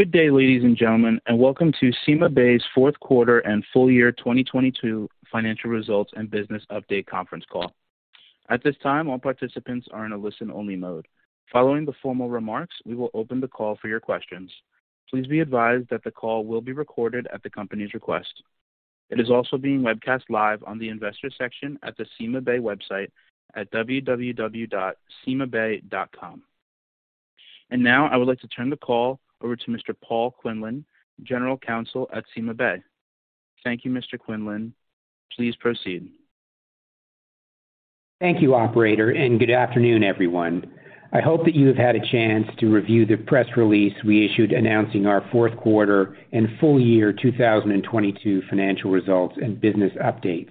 Good day, ladies and gentlemen, welcome to CymaBay's fourth quarter and full year 2022 financial results and business update conference call. At this time, all participants are in a listen-only mode. Following the formal remarks, we will open the call for your questions. Please be advised that the call will be recorded at the company's request. It is also being webcast live on the investor section at the CymaBay website at www.cymabay.com. Now, I would like to turn the call over to Mr. Paul Quinlan, General Counsel at CymaBay. Thank you, Mr. Quinlan. Please proceed. Thank you, operator. Good afternoon, everyone. I hope that you have had a chance to review the press release we issued announcing our fourth quarter and full year 2022 financial results and business updates.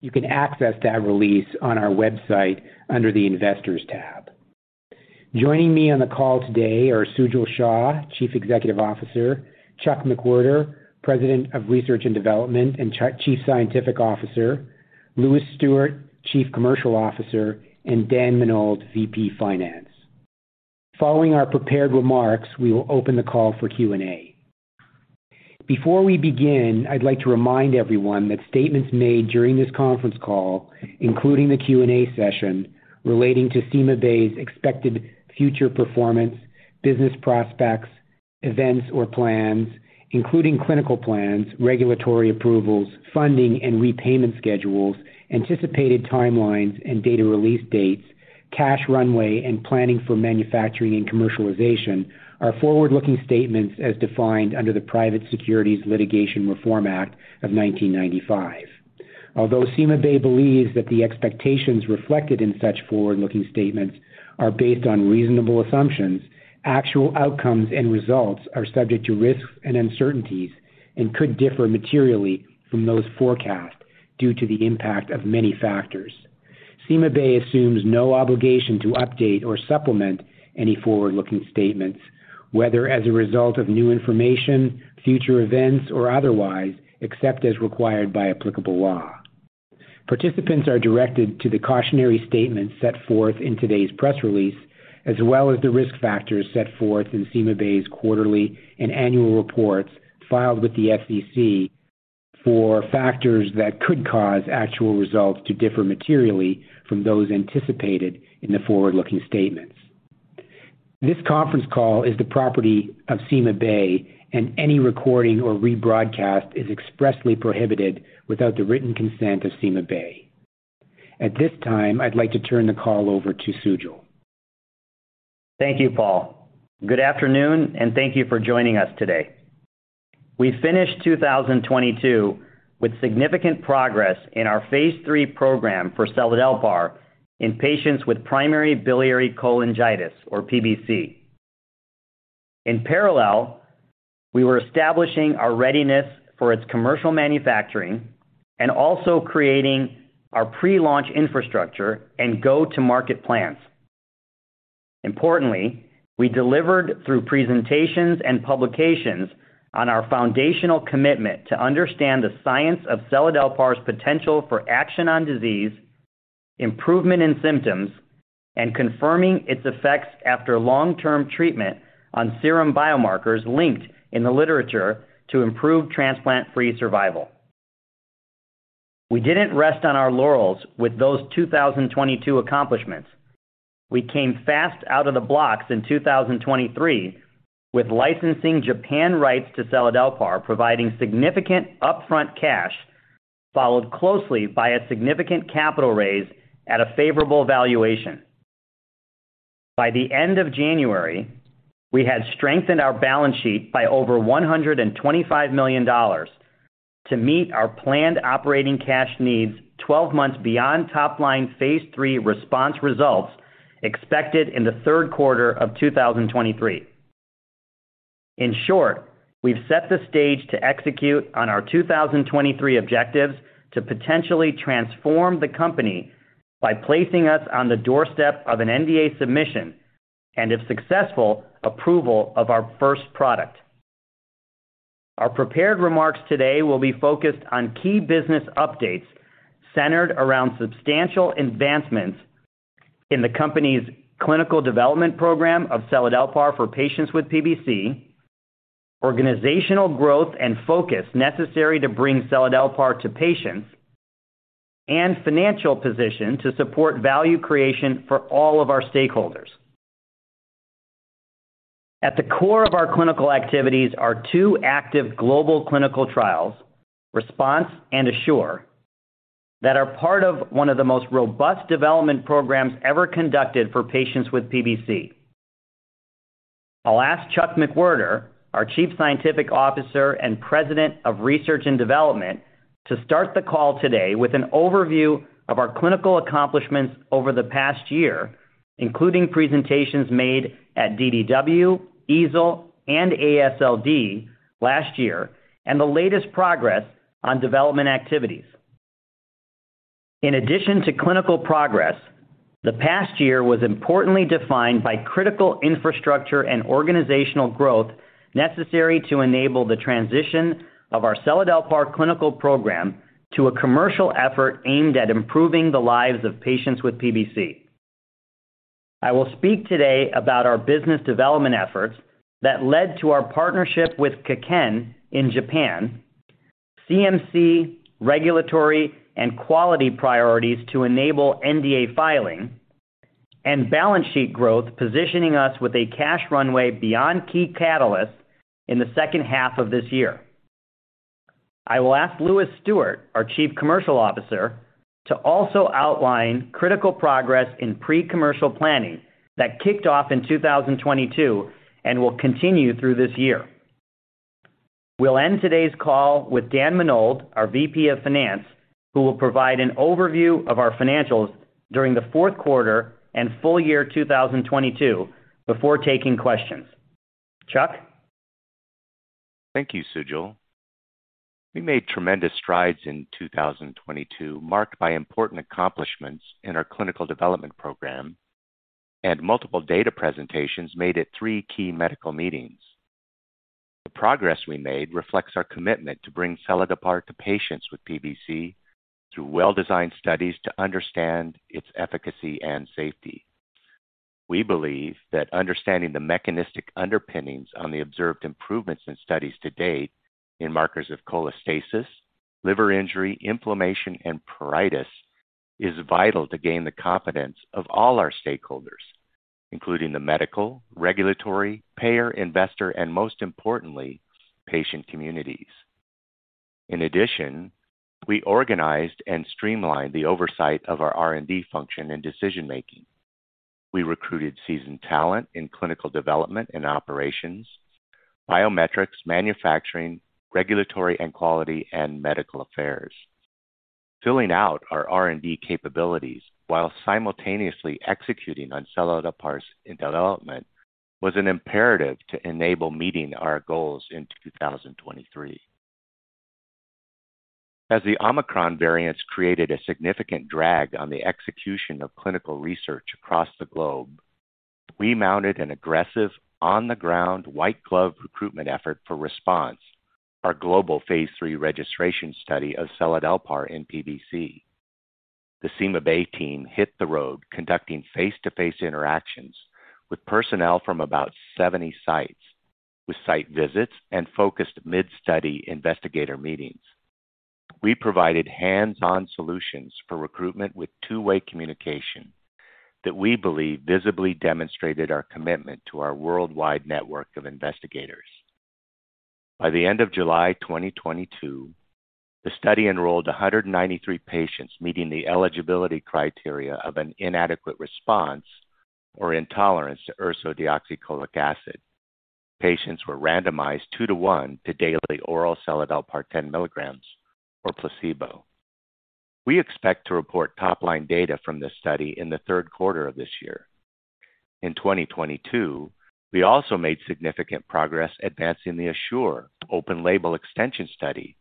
You can access that release on our website under the Investors tab. Joining me on the call today are Sujal Shah, Chief Executive Officer, Chuck McWherter, President of Research and Development and Chief Scientific Officer, Lewis Stuart, Chief Commercial Officer, and Dan Menold, VP Finance. Following our prepared remarks, we will open the call for Q&A. Before we begin, I'd like to remind everyone that statements made during this conference call, including the Q&A session, relating to CymaBay's expected future performance, business prospects, events or plans, including clinical plans, regulatory approvals, funding and repayment schedules, anticipated timelines and data release dates, cash runway, and planning for manufacturing and commercialization are forward-looking statements as defined under the Private Securities Litigation Reform Act of 1995. Although CymaBay believes that the expectations reflected in such forward-looking statements are based on reasonable assumptions, actual outcomes and results are subject to risks and uncertainties and could differ materially from those forecasts due to the impact of many factors. CymaBay assumes no obligation to update or supplement any forward-looking statements, whether as a result of new information, future events, or otherwise, except as required by applicable law. Participants are directed to the cautionary statements set forth in today's press release, as well as the risk factors set forth in CymaBay's quarterly and annual reports filed with the SEC for factors that could cause actual results to differ materially from those anticipated in the forward-looking statements. This conference call is the property of CymaBay. Any recording or rebroadcast is expressly prohibited without the written consent of CymaBay. At this time, I'd like to turn the call over to Sujal. Thank you, Paul. Good afternoon, and thank you for joining us today. We finished 2022 with significant progress in our phase three program for seladelpar in patients with primary biliary cholangitis or PBC. In parallel, we were establishing our readiness for its commercial manufacturing and also creating our pre-launch infrastructure and go-to-market plans. Importantly, we delivered through presentations and publications on our foundational commitment to understand the science of seladelpar's potential for action on disease, improvement in symptoms, and confirming its effects after long-term treatment on serum biomarkers linked in the literature to improve transplant-free survival. We didn't rest on our laurels with those 2022 accomplishments. We came fast out of the blocks in 2023 with licensing Japan rights to seladelpar, providing significant upfront cash, followed closely by a significant capital raise at a favorable valuation. By the end of January, we had strengthened our balance sheet by over $125 million to meet our planned operating cash needs 12 months beyond top-line phase 3 RESPONSE results expected in the third quarter of 2023. In short, we've set the stage to execute on our 2023 objectives to potentially transform the company by placing us on the doorstep of an NDA submission and, if successful, approval of our first product. Our prepared remarks today will be focused on key business updates centered around substantial advancements in the company's clinical development program of seladelpar for patients with PBC, organizational growth and focus necessary to bring seladelpar to patients, and financial position to support value creation for all of our stakeholders. At the core of our clinical activities are two active global clinical trials, RESPONSE and ASSURE, that are part of one of the most robust development programs ever conducted for patients with PBC. I'll ask Chuck McWherter, our Chief Scientific Officer and President of Research and Development, to start the call today with an overview of our clinical accomplishments over the past year, including presentations made at DDW, EASL, and AASLD last year, and the latest progress on development activities. In addition to clinical progress, the past year was importantly defined by critical infrastructure and organizational growth necessary to enable the transition of our seladelpar clinical program to a commercial effort aimed at improving the lives of patients with PBC. I will speak today about our business development efforts that led to our partnership with Kaken in Japan, CMC regulatory and quality priorities to enable NDA filing, and balance sheet growth, positioning us with a cash runway beyond key catalysts in the second half of this year. I will ask Lewis Stuart, our Chief Commercial Officer, to also outline critical progress in pre-commercial planning that kicked off in 2022 and will continue through this year. We'll end today's call with Dan Menold, our VP of Finance, who will provide an overview of our financials during the fourth quarter and full year 2022 before taking questions. Chuck? Thank you, Sujal. We made tremendous strides in 2022, marked by important accomplishments in our clinical development program and multiple data presentations made at three key medical meetings. The progress we made reflects our commitment to bring seladelpar to patients with PBC through well-designed studies to understand its efficacy and safety. We believe that understanding the mechanistic underpinnings on the observed improvements in studies to date in markers of cholestasis, liver injury, inflammation, and pruritus is vital to gain the confidence of all our stakeholders, including the medical, regulatory, payer, investor, and most importantly, patient communities. In addition, we organized and streamlined the oversight of our R&D function and decision-making. We recruited seasoned talent in clinical development and operations, biometrics, manufacturing, regulatory and quality, and medical affairs. Filling out our R&D capabilities while simultaneously executing on seladelpar's development was an imperative to enable meeting our goals in 2023. As the Omicron variants created a significant drag on the execution of clinical research across the globe, we mounted an aggressive on-the-ground white glove recruitment effort for RESPONSE, our global Phase three registration study of seladelpar in PBC. The CymaBay team hit the road conducting face-to-face interactions with personnel from about 70 sites with site visits and focused mid-study investigator meetings. We provided hands-on solutions for recruitment with two-way communication that we believe visibly demonstrated our commitment to our worldwide network of investigators. By the end of July 2022, the study enrolled 193 patients meeting the eligibility criteria of an inadequate response or intolerance to ursodeoxycholic acid. Patients were randomized two to one to daily oral seladelpar 10 milligrams or placebo. We expect to report top-line data from this study in the third quarter of this year. In 2022, we also made significant progress advancing the ASSURE open label extension study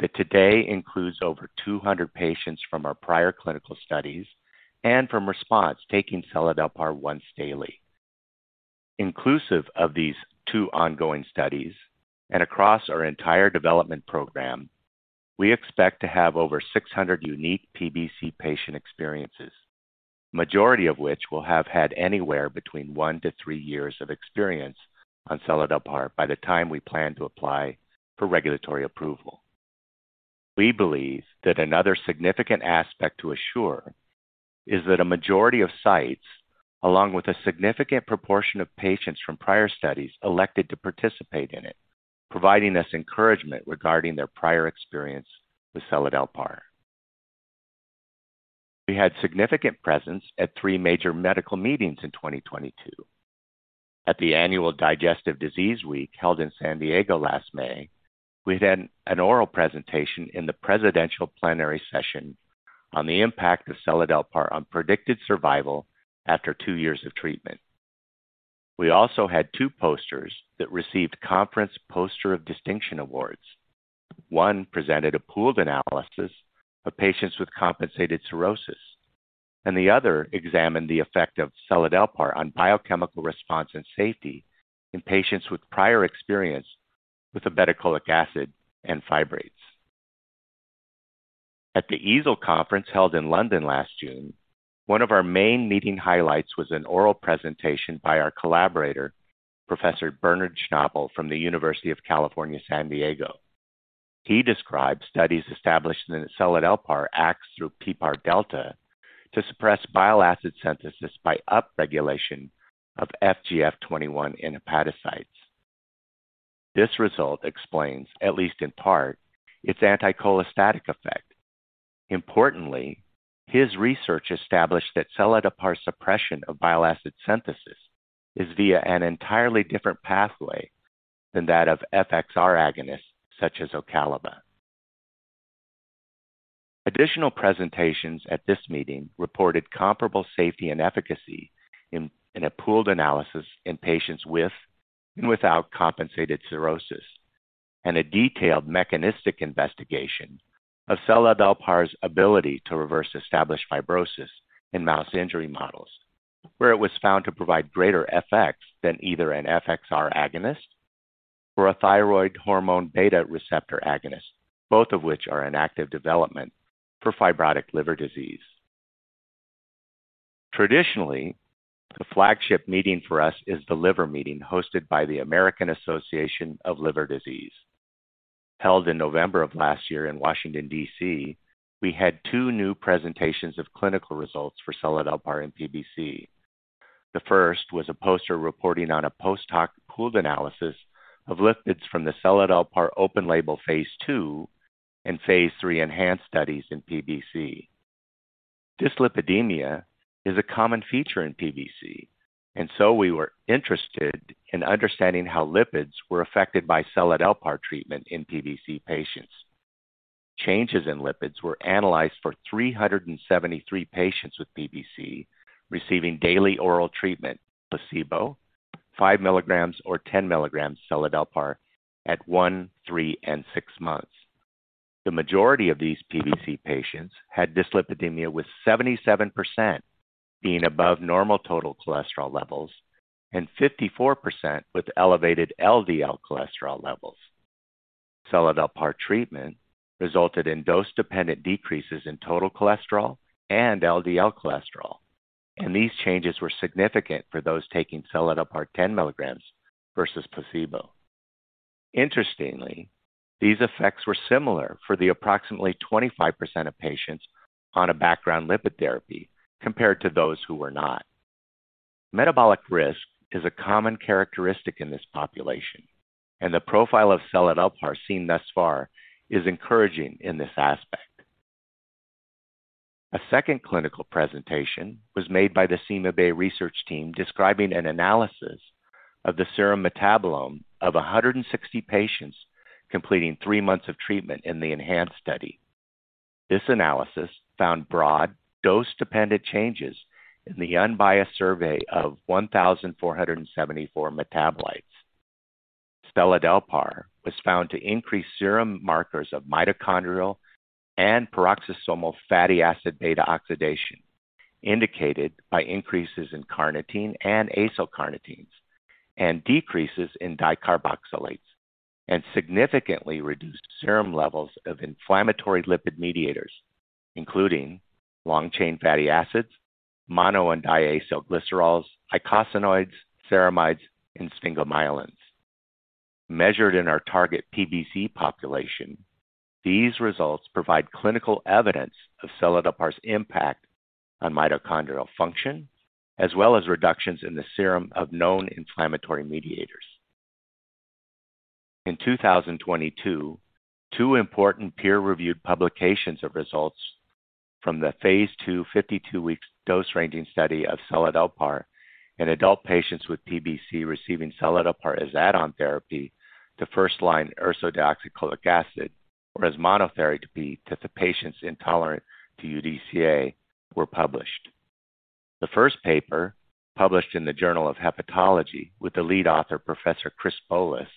that today includes over 200 patients from our prior clinical studies and from RESPONSE taking seladelpar once daily. Inclusive of these two ongoing studies and across our entire development program, we expect to have over 600 unique PBC patient experiences. Majority of which will have had anywhere between one to three years of experience on seladelpar by the time we plan to apply for regulatory approval. We believe that another significant aspect to ASSURE is that a majority of sites, along with a significant proportion of patients from prior studies, elected to participate in it, providing us encouragement regarding their prior experience with seladelpar. We had significant presence at three major medical meetings in 2022. At the Annual Digestive Disease Week held in San Diego last May, we had an oral presentation in the presidential plenary session on the impact of seladelpar on predicted survival after two years of treatment. We also had two posters that received conference Poster of Distinction awards. One presented a pooled analysis of patients with compensated cirrhosis. The other examined the effect of seladelpar on biochemical response and safety in patients with prior experience with obeticholic acid and fibrates. At the EASL conference held in London last June, one of our main meeting highlights was an oral presentation by our collaborator, Professor Bernard Schnabl from the University of California, San Diego. He described studies establishing that seladelpar acts through PPAR delta to suppress bile acid synthesis by upregulation of FGF21 in hepatocytes. This result explains, at least in part, its anticholestatic effect. Importantly, his research established that seladelpar's suppression of bile acid synthesis is via an entirely different pathway than that of FXR agonists such as Ocaliva. Additional presentations at this meeting reported comparable safety and efficacy in a pooled analysis in patients with and without compensated cirrhosis and a detailed mechanistic investigation of seladelpar's ability to reverse established fibrosis in mouse injury models, where it was found to provide greater efficacy than either an FXR agonist or a thyroid hormone receptor beta agonist, both of which are in active development for fibrotic liver disease. Traditionally, the flagship meeting for us is The Liver Meeting hosted by the American Association for the Study of Liver Diseases. Held in November of last year in Washington, D.C., we had two new presentations of clinical results for seladelpar in PBC. The first was a poster reporting on a post-hoc pooled analysis of lipids from the seladelpar open-label phase two and phase three ENHANCE studies in PBC. Dyslipidemia is a common feature in PBC. We were interested in understanding how lipids were affected by seladelpar treatment in PBC patients. Changes in lipids were analyzed for 373 patients with PBC receiving daily oral treatment, placebo, 5 milligrams or 10 milligrams seladelpar at one month, three month, and six months. The majority of these PBC patients had dyslipidemia, with 77% being above normal total cholesterol levels and 54% with elevated LDL cholesterol levels. seladelpar treatment resulted in dose-dependent decreases in total cholesterol and LDL cholesterol. These changes were significant for those taking seladelpar 10 milligrams versus placebo. Interestingly, these effects were similar for the approximately 25% of patients on a background lipid therapy compared to those who were not. Metabolic risk is a common characteristic in this population, and the profile of seladelpar seen thus far is encouraging in this aspect. A second clinical presentation was made by the CymaBay research team describing an analysis of the serum metabolome of 160 patients completing three months of treatment in the ENHANCE study. This analysis found broad dose-dependent changes in the unbiased survey of 1,474 metabolites. seladelpar was found to increase serum markers of mitochondrial and peroxisomal fatty acid beta oxidation, indicated by increases in carnitine and acylcarnitines and decreases in dicarboxylates, and significantly reduced serum levels of inflammatory lipid mediators, including long-chain fatty acids, mono and diacylglycerols, eicosanoids, ceramides, and sphingomyelin. Measured in our target PBC population, these results provide clinical evidence of seladelpar's impact on mitochondrial function, as well as reductions in the serum of known inflammatory mediators. In 2022, two important peer-reviewed publications of results from the phase two 52 weeks dose-ranging study of seladelpar in adult patients with PBC receiving seladelpar as add-on therapy to first-line ursodeoxycholic acid or as monotherapy to the patients intolerant to UDCA were published. The first paper, published in the Journal of Hepatology with the lead author Professor Chris Bowlus,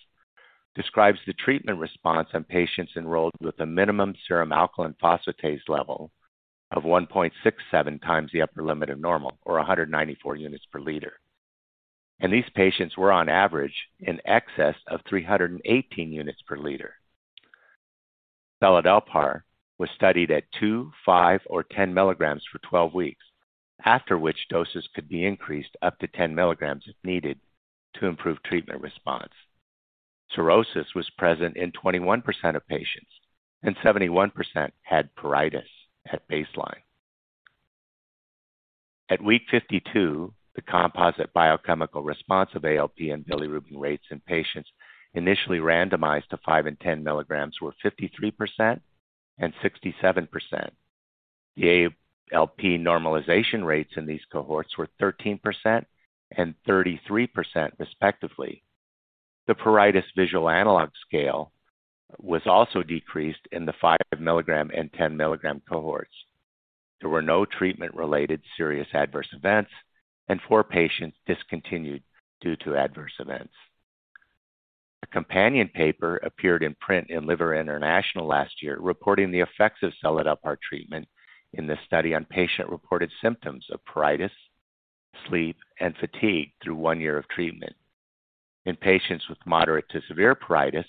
describes the treatment response on patients enrolled with a minimum serum alkaline phosphatase level of 1.67 times the upper limit of normal, or 194 units per liter. These patients were on average in excess of 318 units per liter. Seladelpar was studied at 2 milligrams,5 milligrams, or 10 milligrams for 12 weeks, after which doses could be increased up to 10 milligrams if needed to improve treatment response. Cirrhosis was present in 21% of patients, and 71% had pruritus at baseline. At week 52, the composite biochemical response of ALP and bilirubin rates in patients initially randomized to 5 milligrams and 10 milligrams were 53% and 67%. The ALP normalization rates in these cohorts were 13% and 33%, respectively. The pruritus visual analog scale was also decreased in the 5-milligram and 10-milligram cohorts. There were no treatment-related serious adverse events, and four patients discontinued due to adverse events. A companion paper appeared in print in Liver International last year, reporting the effects of Seladelpar treatment in the study on patient-reported symptoms of pruritus, sleep, and fatigue through 1 year of treatment. In patients with moderate to severe pruritus,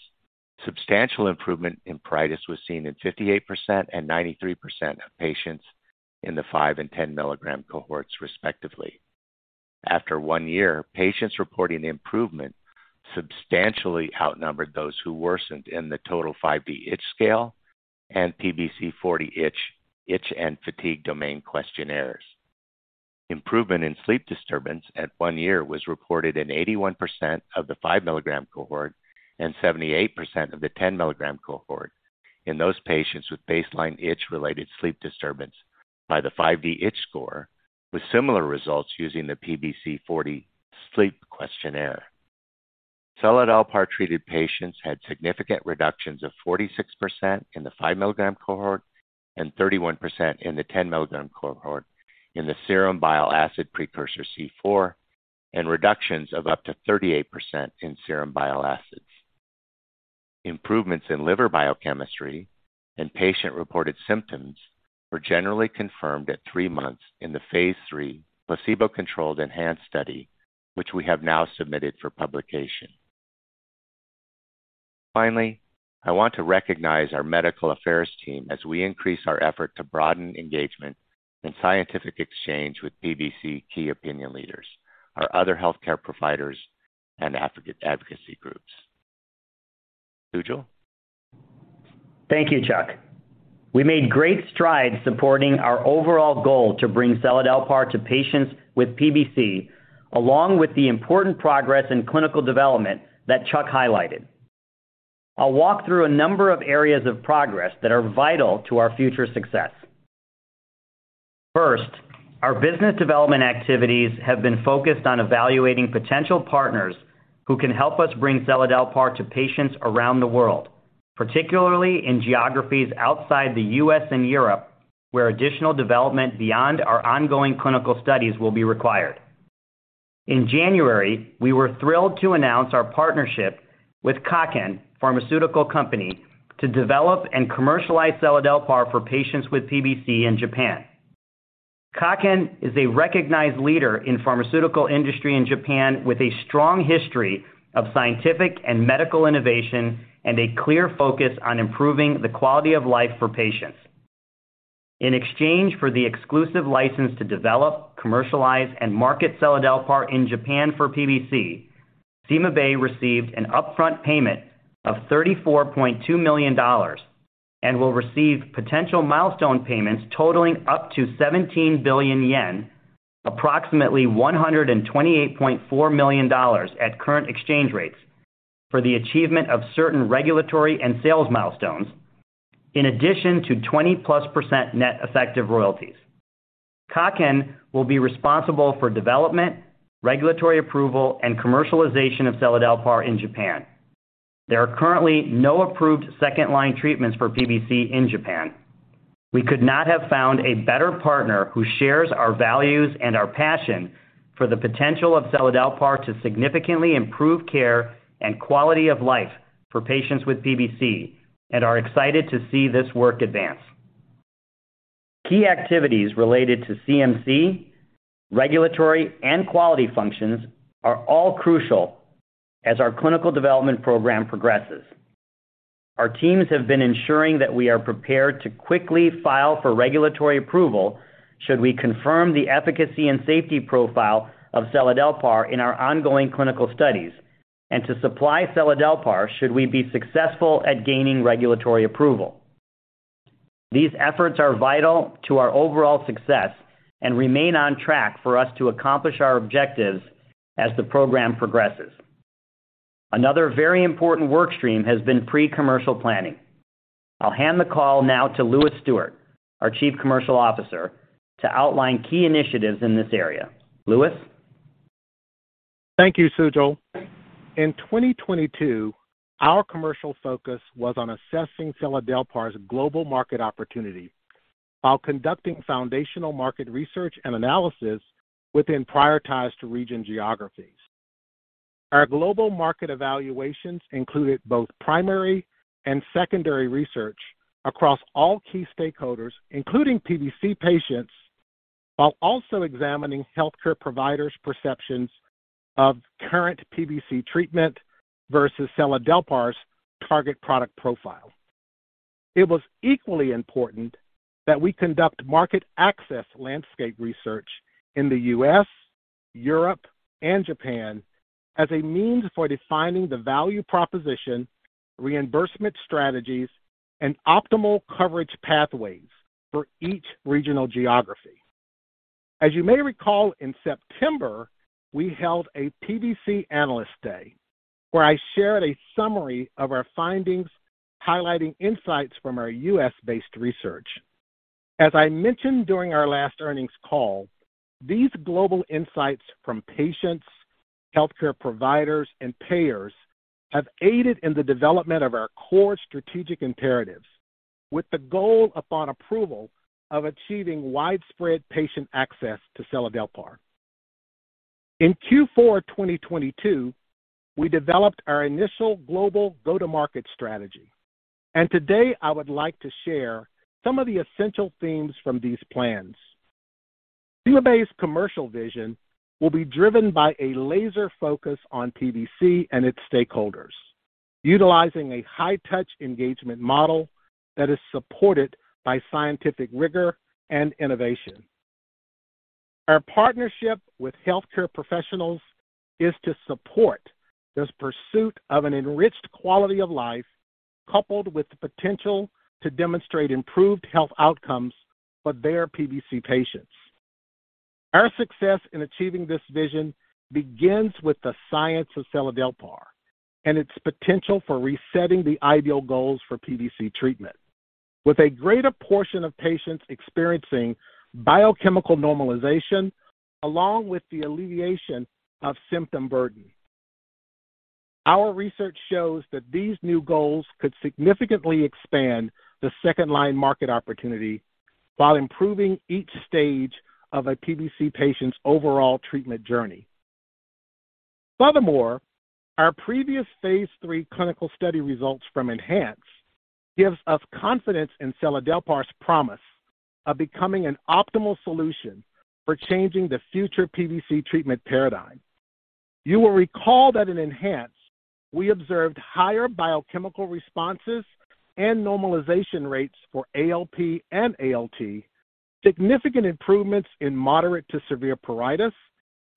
substantial improvement in pruritus was seen in 58% and 93% of patients in the 5milligram cohorts- and 10-milligram cohorts, respectively. After one year, patients reporting improvement substantially outnumbered those who worsened in the total 5D itch scale and PBC-40 itch and fatigue domain questionnaires. Improvement in sleep disturbance at one year was reported in 81% of the 5-milligram cohort and 78% of the 10-milligram cohort in those patients with baseline itch-related sleep disturbance by the 5D itch score, with similar results using the PBC-40 sleep questionnaire. seladelpar-treated patients had significant reductions of 46% in the 5-milligram cohort and 31% in the 10-milligram cohort in the serum bile acid precursor C4 and reductions of up to 38% in serum bile acids. Improvements in liver biochemistry and patient-reported symptoms were generally confirmed at three months in the Phase three placebo-controlled ENHANCE study, which we have now submitted for publication. Finally, I want to recognize our medical affairs team as we increase our effort to broaden engagement and scientific exchange with PBC key opinion leaders, our other healthcare providers and advocacy groups. Sujal. Thank you, Chuck. We made great strides supporting our overall goal to bring seladelpar to patients with PBC, along with the important progress in clinical development that Chuck highlighted. I'll walk through a number of areas of progress that are vital to our future success. First, our business development activities have been focused on evaluating potential partners who can help us bring seladelpar to patients around the world, particularly in geographies outside the U.S. and Europe, where additional development beyond our ongoing clinical studies will be required. In January, we were thrilled to announce our partnership with Kaken Pharmaceutical Company to develop and commercialize seladelpar for patients with PBC in Japan. Kaken is a recognized leader in pharmaceutical industry in Japan, with a strong history of scientific and medical innovation and a clear focus on improving the quality of life for patients. In exchange for the exclusive license to develop, commercialize, and market seladelpar in Japan for PBC, CymaBay received an upfront payment of $34.2 million and will receive potential milestone payments totaling up to 17 billion yen, approximately $128.4 million at current exchange rates, for the achievement of certain regulatory and sales milestones in addition to 20+% net effective royalties. Kaken will be responsible for development, regulatory approval, and commercialization of seladelpar in Japan. There are currently no approved second-line treatments for PBC in Japan. We could not have found a better partner who shares our values and our passion for the potential of seladelpar to significantly improve care and quality of life for patients with PBC and are excited to see this work advance. Key activities related to CMC, regulatory, and quality functions are all crucial as our clinical development program progresses. Our teams have been ensuring that we are prepared to quickly file for regulatory approval should we confirm the efficacy and safety profile of seladelpar in our ongoing clinical studies and to supply seladelpar should we be successful at gaining regulatory approval. These efforts are vital to our overall success and remain on track for us to accomplish our objectives as the program progresses. Another very important work stream has been pre-commercial planning. I'll hand the call now to Lewis Stuart, our Chief Commercial Officer, to outline key initiatives in this area. Lewis. Thank you, Sujal. In 2022, our commercial focus was on assessing seladelpar's global market opportunity while conducting foundational market research and analysis within prioritized region geographies. Our global market evaluations included both primary and secondary research across all key stakeholders, including PBC patients, while also examining healthcare providers' perceptions of current PBC treatment versus seladelpar's target product profile. It was equally important that we conduct market access landscape research in the U.S., Europe, and Japan as a means for defining the value proposition, reimbursement strategies, and optimal coverage pathways for each regional geography. As you may recall, in September, we held a PBC Analyst Day where I shared a summary of our findings highlighting insights from our U.S.-based research. As I mentioned during our last earnings call, these global insights from patients, healthcare providers, and payers have aided in the development of our core strategic imperatives with the goal upon approval of achieving widespread patient access to seladelpar. In Q4 2022, we developed our initial global go-to-market strategy, today I would like to share some of the essential themes from these plans. CymaBay's commercial vision will be driven by a laser focus on PBC and its stakeholders, utilizing a high-touch engagement model that is supported by scientific rigor and innovation. Our partnership with healthcare professionals is to support this pursuit of an enriched quality of life coupled with the potential to demonstrate improved health outcomes for their PBC patients. Our success in achieving this vision begins with the science of seladelpar and its potential for resetting the ideal goals for PBC treatment. With a greater portion of patients experiencing biochemical normalization along with the alleviation of symptom burden. Our research shows that these new goals could significantly expand the second line market opportunity while improving each stage of a PBC patient's overall treatment journey. Our previous phase three clinical study results from ENHANCE gives us confidence in seladelpar's promise of becoming an optimal solution for changing the future PBC treatment paradigm. You will recall that in ENHANCE, we observed higher biochemical responses and normalization rates for ALP and ALT, significant improvements in moderate to severe pruritus,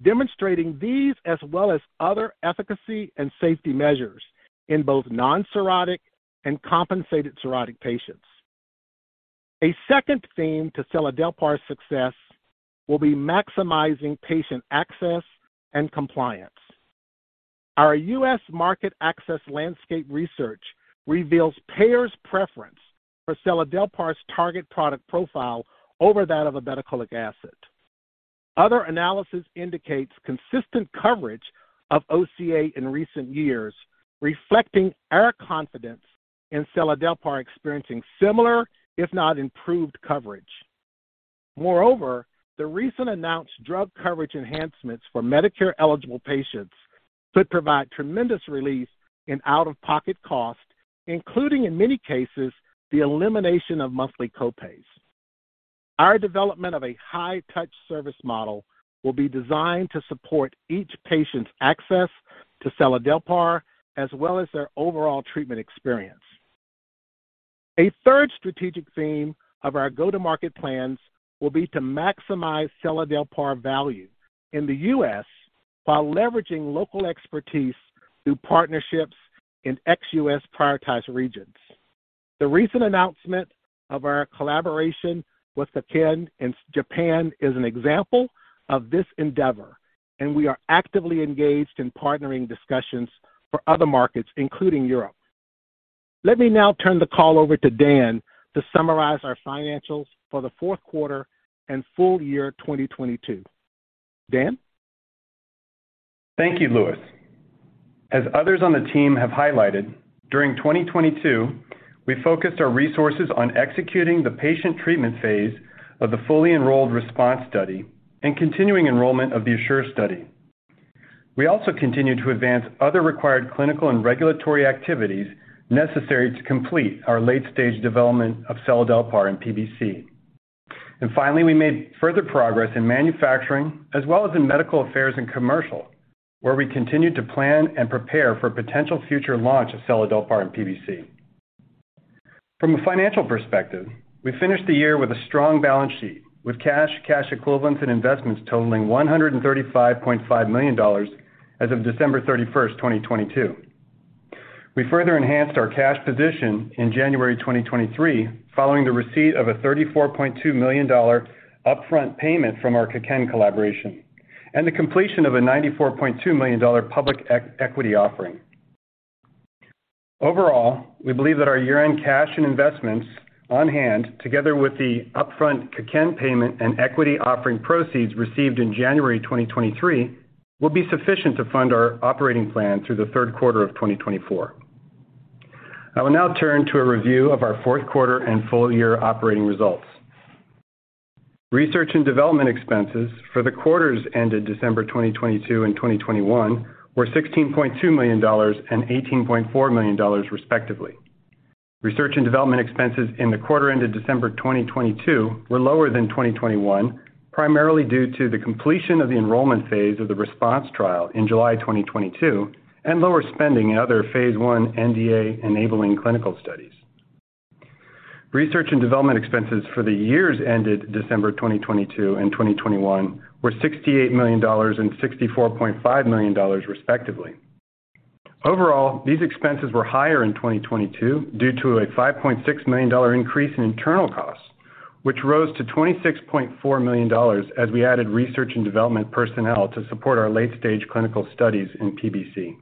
demonstrating these as well as other efficacy and safety measures in both non-cirrhotic and compensated cirrhotic patients. A second theme to seladelpar's success will be maximizing patient access and compliance. Our U.S. market access landscape research reveals payers' preference for seladelpar's target product profile over that of urso. Other analysis indicates consistent coverage of OCA in recent years, reflecting our confidence in seladelpar experiencing similar, if not improved coverage. The recent announced drug coverage enhancements for Medicare-eligible patients could provide tremendous relief in out-of-pocket costs, including, in many cases, the elimination of monthly co-pays. Our development of a high-touch service model will be designed to support each patient's access to seladelpar, as well as their overall treatment experience. A third strategic theme of our go-to-market plans will be to maximize seladelpar value in the U.S. while leveraging local expertise through partnerships in ex-U.S. prioritized regions. The recent announcement of our collaboration with Kaken in Japan is an example of this endeavor. We are actively engaged in partnering discussions for other markets, including Europe. Let me now turn the call over to Dan to summarize our financials for the fourth quarter and full year 2022. Dan? Thank you, Lewis. As others on the team have highlighted, during 2022, we focused our resources on executing the patient treatment phase of the fully enrolled RESPONSE study and continuing enrollment of the ASSURE study. We also continued to advance other required clinical and regulatory activities necessary to complete our late-stage development of seladelpar in PBC. Finally, we made further progress in manufacturing as well as in medical affairs and commercial, where we continued to plan and prepare for potential future launch of seladelpar in PBC. From a financial perspective, we finished the year with a strong balance sheet, with cash equivalents, and investments totaling $135.5 million as of December 31, 2022. We further enhanced our cash position in January 2023 following the receipt of a $34.2 million upfront payment from our Kaken collaboration and the completion of a $94.2 million public equity offering. Overall, we believe that our year-end cash and investments on hand, together with the upfront Kaken payment and equity offering proceeds received in January 2023, will be sufficient to fund our operating plan through the third quarter of 2024. I will now turn to a review of our fourth quarter and full year operating results. Research and development expenses for the quarters ended December 2022 and 2021 were $16.2 million and $18.4 million, respectively. Research and development expenses in the quarter ended December 2022 were lower than 2021, primarily due to the completion of the enrollment phase of the RESPONSE trial in July 2022 and lower spending in other phase 1 NDA-enabling clinical studies. Research and development expenses for the years ended December 2022 and 2021 were $68 million and $64.5 million, respectively. Overall, these expenses were higher in 2022 due to a $5.6 million increase in internal costs, which rose to $26.4 million as we added research and development personnel to support our late-stage clinical studies in PBC.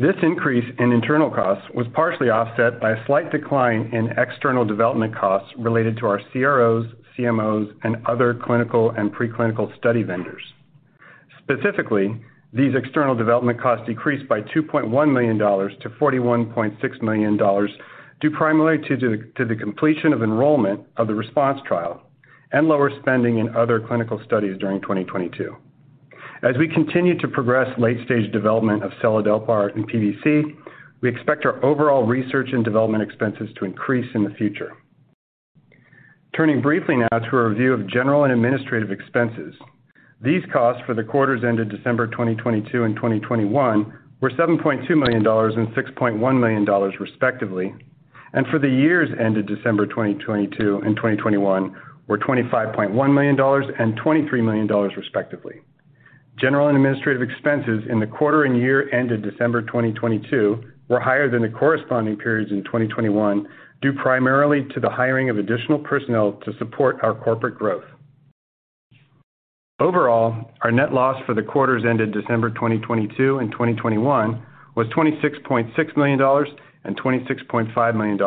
This increase in internal costs was partially offset by a slight decline in external development costs related to our CROs, CMOs, and other clinical and preclinical study vendors. Specifically, these external development costs decreased by $2.1 million to $41.6 million, due primarily to the completion of enrollment of the RESPONSE trial and lower spending in other clinical studies during 2022. As we continue to progress late-stage development of seladelpar in PBC, we expect our overall research and development expenses to increase in the future. Turning briefly now to a review of general and administrative expenses. These costs for the quarters ended December 2022 and 2021 were $7.2 million and $6.1 million, respectively, and for the years ended December 2022 and 2021 were $25.1 million and $23 million, respectively. General and administrative expenses in the quarter and year ended December 2022 were higher than the corresponding periods in 2021, due primarily to the hiring of additional personnel to support our corporate growth. Overall, our net loss for the quarters ended December 2022 and 2021 was $26.6 million and $26.5 million,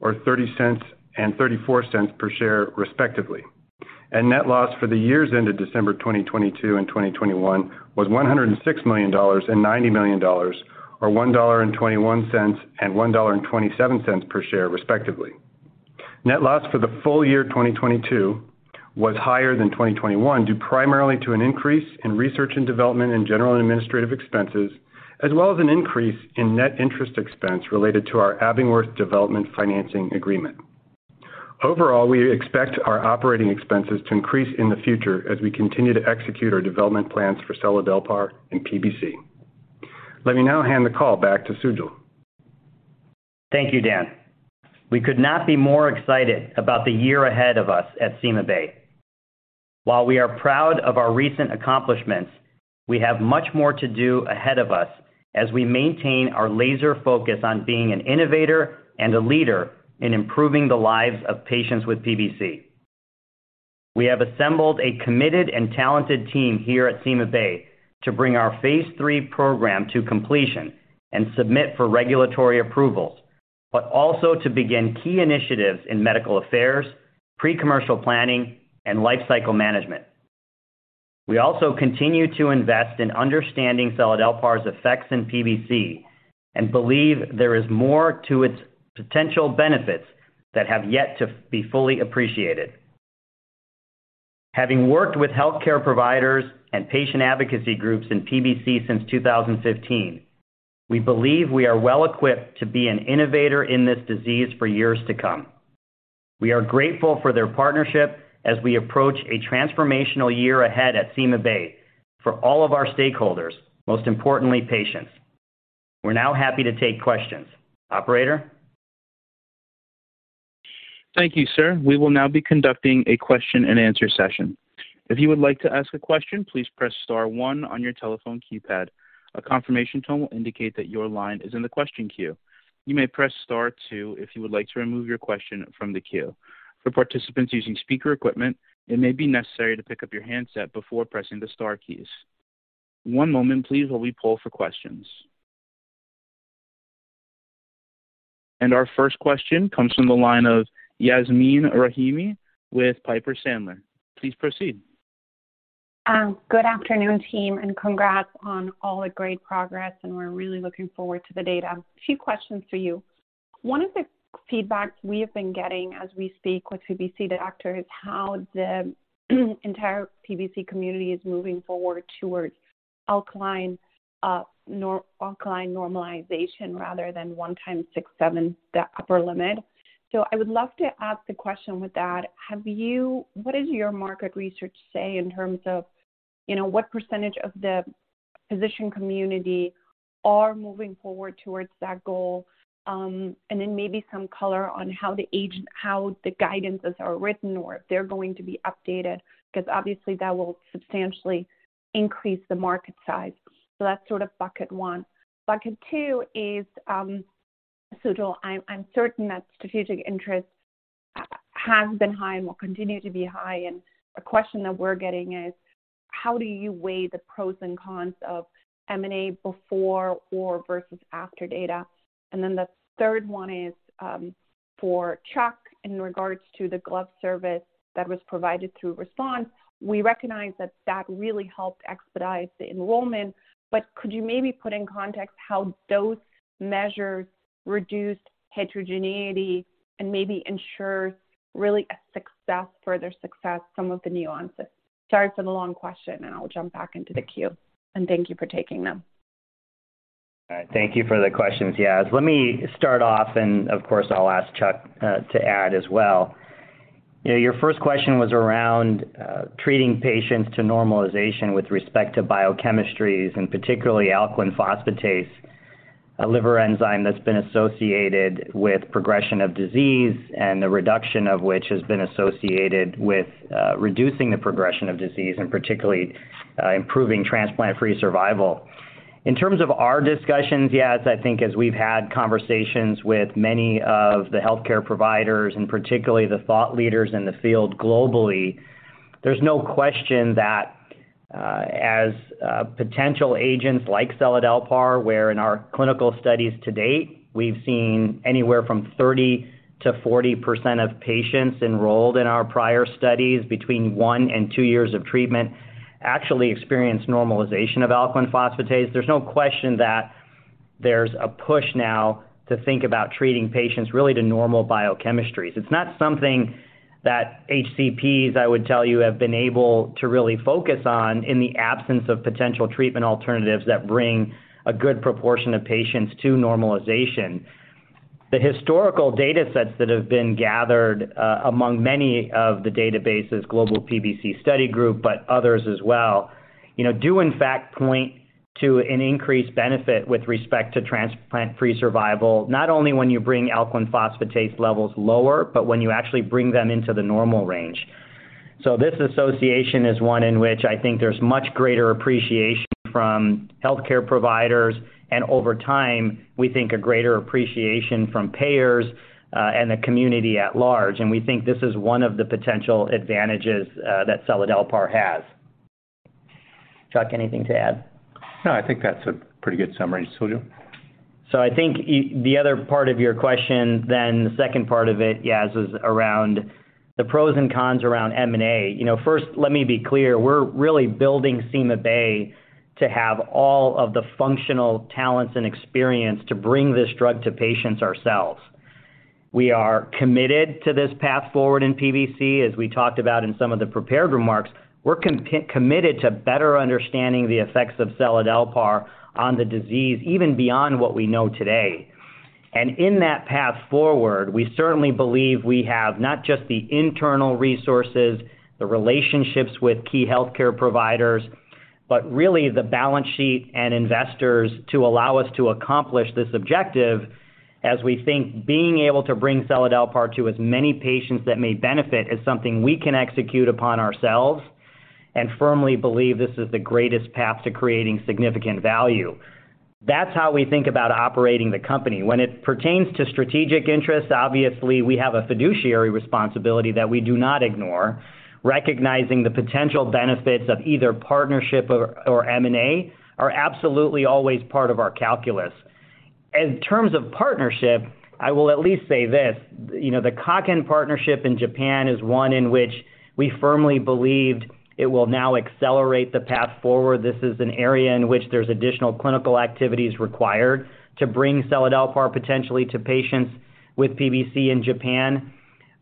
or $0.30 and $0.34 per share, respectively. Net loss for the years ended December 2022 and 2021 was $106 million and $90 million, or $1.21 and $1.27 per share, respectively. Net loss for the full year 2022 was higher than 2021, due primarily to an increase in research and development and general and administrative expenses, as well as an increase in net interest expense related to our Abingworth development financing agreement. Overall, we expect our operating expenses to increase in the future as we continue to execute our development plans for seladelpar and PBC. Let me now hand the call back to Sujal. Thank you, Dan. We could not be more excited about the year ahead of us at CymaBay. While we are proud of our recent accomplishments, we have much more to do ahead of us as we maintain our laser focus on being an innovator and a leader in improving the lives of patients with PBC. We have assembled a committed and talented team here at CymaBay to bring our phase three program to completion and submit for regulatory approvals, but also to begin key initiatives in medical affairs, pre-commercial planning and lifecycle management. We also continue to invest in understanding seladelpar's effects in PBC and believe there is more to its potential benefits that have yet to be fully appreciated. Having worked with healthcare providers and patient advocacy groups in PBC since 2015, we believe we are well-equipped to be an innovator in this disease for years to come. We are grateful for their partnership as we approach a transformational year ahead at CymaBay for all of our stakeholders, most importantly, patients. We're now happy to take questions. Operator? Thank you, sir. We will now be conducting a question-and-answer session. If you would like to ask a question, please press star one on your telephone keypad. A confirmation tone will indicate that your line is in the question queue. You may press star two if you would like to remove your question from the queue. For participants using speaker equipment, it may be necessary to pick up your handset before pressing the star keys. One moment please, while we poll for questions. Our first question comes from the line of Yasmeen Rahimi with Piper Sandler. Please proceed. Good afternoon, team, and congrats on all the great progress, and we're really looking forward to the data. A few questions for you. One of the feedbacks we have been getting as we speak with PBC doctors, how the entire PBC community is moving forward towards alkaline, nor-alkaline normalization rather than 1x 6x, 7x, the upper limit. I would love to ask the question with that. What does your market research say in terms of, you know, what percentage of the physician community are moving forward towards that goal? Maybe some color on how the agent, how the guidances are written or if they're going to be updated, 'cause obviously that will substantially increase the market size. That's sort of bucket one. Bucket two is, Sujal, I'm certain that strategic interest has been high and will continue to be high. A question that we're getting is, how do you weigh the pros and cons of M&A before or versus after data? The third one is, for Chuck McWherter, in regards to the glove service that was provided through RESPONSE. We recognize that that really helped expedite the enrollment, but could you maybe put in context how those measures reduced heterogeneity and maybe ensure really a success, further success, some of the nuances? Sorry for the long question, I'll jump back into the queue, thank you for taking them. All right. Thank you for the questions, Yas. Let me start off, and of course, I'll ask Chuck to add as well. You know, your first question was around treating patients to normalization with respect to biochemistries and particularly alkaline phosphatase, a liver enzyme that's been associated with progression of disease and the reduction of which has been associated with reducing the progression of disease and particularly improving transplant-free survival. In terms of our discussions, Yas, I think as we've had conversations with many of the healthcare providers and particularly the thought leaders in the field globally, there's no question that as potential agents like seladelpar, where in our clinical studies to date, we've seen anywhere from 30%-40% of patients enrolled in our prior studies between 1 and 2 years of treatment actually experience normalization of alkaline phosphatase. There's no question that there's a push now to think about treating patients really to normal biochemistries. It's not something that HCPs, I would tell you, have been able to really focus on in the absence of potential treatment alternatives that bring a good proportion of patients to normalization. The historical datasets that have been gathered, among many of the databases, Global PBC Study Group, but others as well, you know, do in fact point to an increased benefit with respect to transplant-free survival, not only when you bring alkaline phosphatase levels lower, but when you actually bring them into the normal range. This association is one in which I think there's much greater appreciation from healthcare providers and over time, we think a greater appreciation from payers, and the community at large. We think this is one of the potential advantages that seladelpar has. Chuck, anything to add? No, I think that's a pretty good summary, Sujal. I think the other part of your question then, the second part of it, Yas, is around the pros and cons around M&A. You know, first, let me be clear. We're really building CymaBay to have all of the functional talents and experience to bring this drug to patients ourselves. We are committed to this path forward in PBC. As we talked about in some of the prepared remarks, we're committed to better understanding the effects of seladelpar on the disease, even beyond what we know today. In that path forward, we certainly believe we have not just the internal resources, the relationships with key healthcare providers, but really the balance sheet and investors to allow us to accomplish this objective as we think being able to bring seladelpar to as many patients that may benefit is something we can execute upon ourselves and firmly believe this is the greatest path to creating significant value. That's how we think about operating the company. When it pertains to strategic interests, obviously, we have a fiduciary responsibility that we do not ignore. Recognizing the potential benefits of either partnership or M&A are absolutely always part of our calculus. In terms of partnership, I will at least say this, you know, the Kaken partnership in Japan is one in which we firmly believed it will now accelerate the path forward. This is an area in which there's additional clinical activities required to bring seladelpar potentially to patients with PBC in Japan.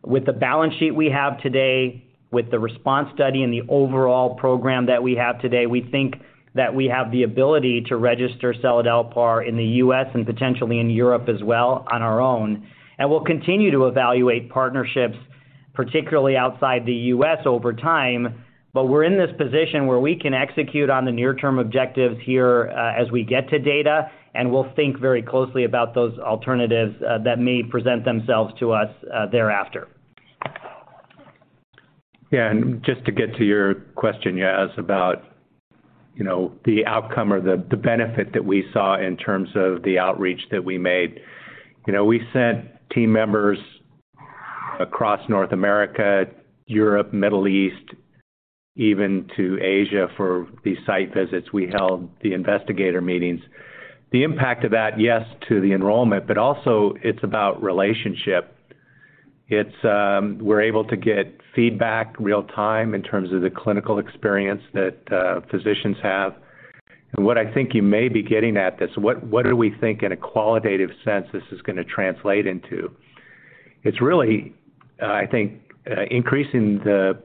With the balance sheet we have today, with the RESPONSE study and the overall program that we have today, we think that we have the ability to register seladelpar in the U.S. and potentially in Europe as well on our own. We'll continue to evaluate partnerships, particularly outside the U.S. over time, but we're in this position where we can execute on the near-term objectives here, as we get to data, and we'll think very closely about those alternatives that may present themselves to us thereafter. Yeah. Just to get to your question, Yaz, about, you know, the outcome or the benefit that we saw in terms of the outreach that we made. You know, we sent team members across North America, Europe, Middle East, even to Asia for these site visits. We held the investigator meetings. The impact of that, yes, to the enrollment, but also it's about relationship. It's. We're able to get feedback real time in terms of the clinical experience that physicians have. What I think you may be getting at is what do we think in a qualitative sense this is going to translate into? It's really, I think, increasing the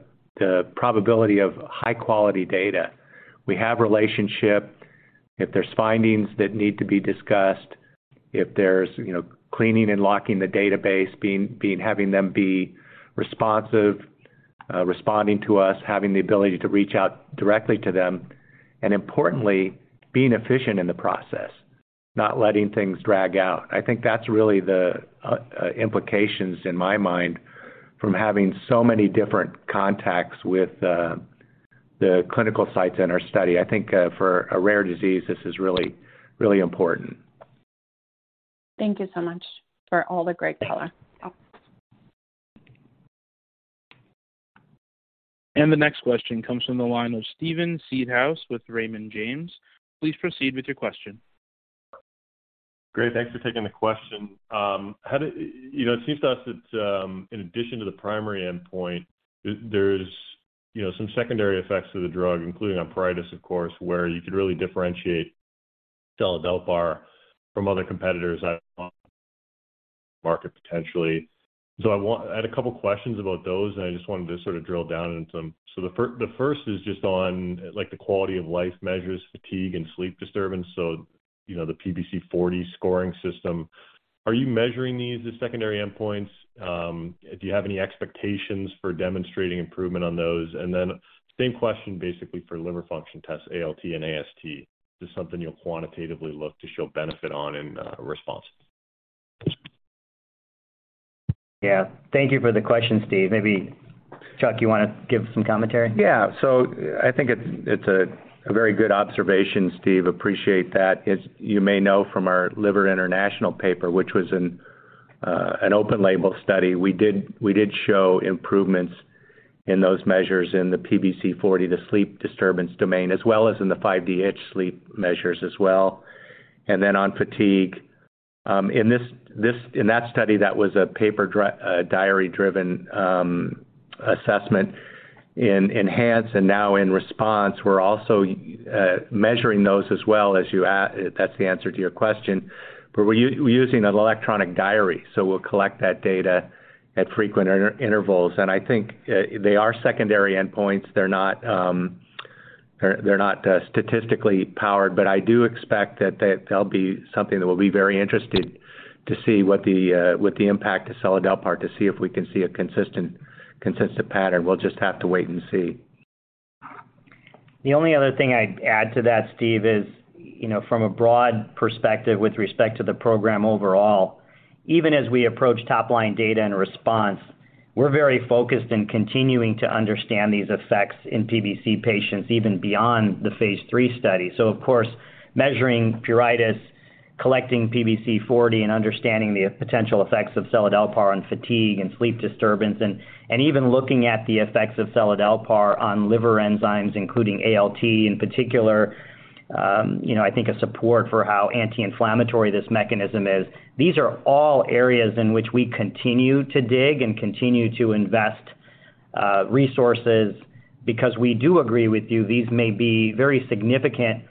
probability of high-quality data. We have relationship. If there's findings that need to be discussed, if there's, you know, cleaning and locking the database, having them be responsive, responding to us, having the ability to reach out directly to them, and importantly, being efficient in the process, not letting things drag out. I think that's really the implications in my mind from having so many different contacts with the clinical sites in our study. I think for a rare disease, this is really, really important. Thank you so much for all the great color. Yeah. The next question comes from the line of Steven Seedhouse with Raymond James. Please proceed with your question. Great. Thanks for taking the question. You know, it seems to us that, in addition to the primary endpoint, there's, you know, some secondary effects to the drug, including on pruritus, of course, where you could really differentiate seladelpar from other competitors out on market potentially. I had a couple questions about those, and I just wanted to sort of drill down into them. The first is just on, like, the quality of life measures, fatigue and sleep disturbance, so, you know, the PBC40 scoring system. Are you measuring these as secondary endpoints? Do you have any expectations for demonstrating improvement on those? Same question basically for liver function tests, ALT and AST. Is this something you'll quantitatively look to show benefit on in RESPONSE? Yeah. Thank you for the question, Steve. Maybe, Chuck, you wanna give some commentary? Yeah. I think it's a very good observation, Steve. Appreciate that. As you may know from our Liver International paper, which was an open-label study, we did show improvements in those measures in the PBC-40, the sleep disturbance domain, as well as in the 5-D itch scale sleep measures as well. On fatigue, in that study, that was a paper diary-driven assessment. In ENHANCE and now in RESPONSE, we're also measuring those as well, as you That's the answer to your question. We're using an electronic diary, we'll collect that data at frequent intervals. I think they are secondary endpoints. They're not, they're not statistically powered. I do expect that they'll be something that we'll be very interested to see what the, what the impact of seladelpar to see if we can see a consistent pattern. We'll just have to wait and see. The only other thing I'd add to that, Steve, is, you know, from a broad perspective with respect to the program overall, even as we approach top-line data in RESPONSE, we're very focused in continuing to understand these effects in PBC patients even beyond the Phase three study. Of course, measuring pruritus, collecting PBC-40 and understanding the potential effects of seladelpar on fatigue and sleep disturbance and even looking at the effects of seladelpar on liver enzymes, including ALT in particular, you know, I think a support for how anti-inflammatory this mechanism is. These are all areas in which we continue to dig and continue to invest resources because we do agree with you, these may be very significant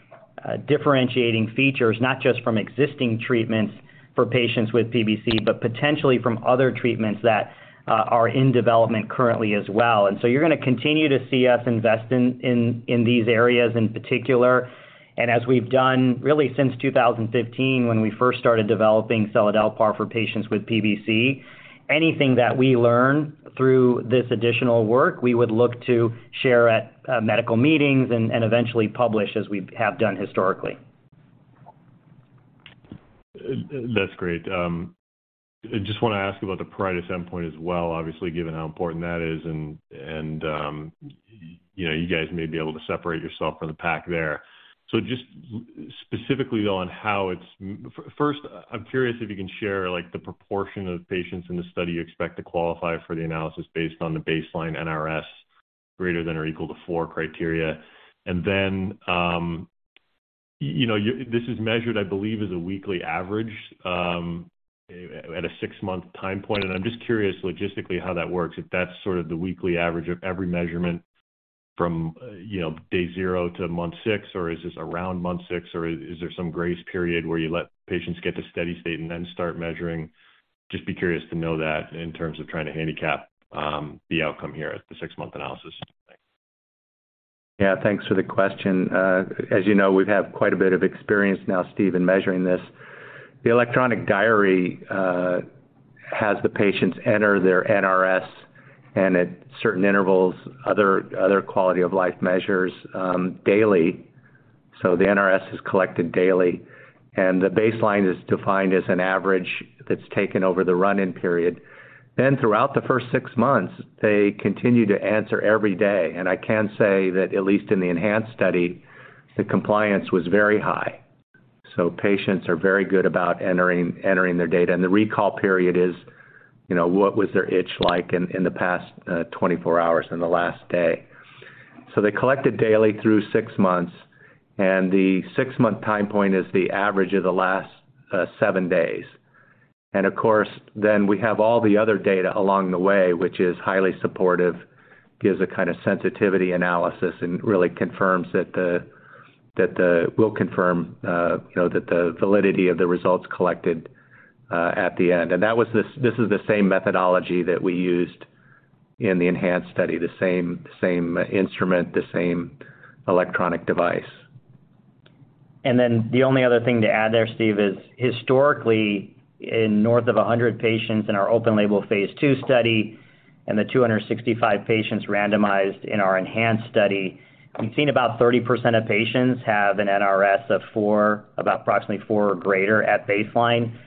differentiating features, not just from existing treatments for patients with PBC, but potentially from other treatments that are in development currently as well. You're gonna continue to see us invest in these areas in particular. As we've done really since 2015 when we first started developing seladelpar for patients with PBC, anything that we learn through this additional work, we would look to share at medical meetings and eventually publish as we have done historically. That's great. I just wanna ask about the pruritus endpoint as well, obviously, given how important that is and, you know, you guys may be able to separate yourself from the pack there. Just specifically on how First, I'm curious if you can share like the proportion of patients in the study you expect to qualify for the analysis based on the baseline NRS greater than or equal to four criteria. Then, you know, this is measured, I believe, as a weekly average, at a 6-month time point. I'm just curious logistically how that works, if that's sort of the weekly average of every measurement from, you know, day zero to month six, or is this around month six, or is there some grace period where you let patients get to steady state and then start measuring? Just be curious to know that in terms of trying to handicap the outcome here at the six month analysis? Thanks. Thanks for the question. As you know, we've had quite a bit of experience now, Steve, in measuring this. The electronic diary has the patients enter their NRS and at certain intervals, other quality of life measures daily. The NRS is collected daily, and the baseline is defined as an average that's taken over the run-in period. Throughout the first six months, they continue to answer every day. I can say that at least in the ENHANCE study, the compliance was very high. Patients are very good about entering their data. The recall period is, you know, what was their itch like in the past 24 hours in the last day. They collect it daily through six months, and the six month time point is the average of the last seven days. Of course, then we have all the other data along the way, which is highly supportive, gives a kind of sensitivity analysis, and really confirms that the, that the will confirm, you know, that the validity of the results collected, at the end. That was this is the same methodology that we used in the ENHANCE study, the same instrument, the same electronic device. The only other thing to add there, Steve, is historically, in north of 100 patients in our open label phase two study and the 265 patients randomized in our ENHANCE study, we've seen about 30% of patients have an NRS of four, about approximately four or greater at baseline.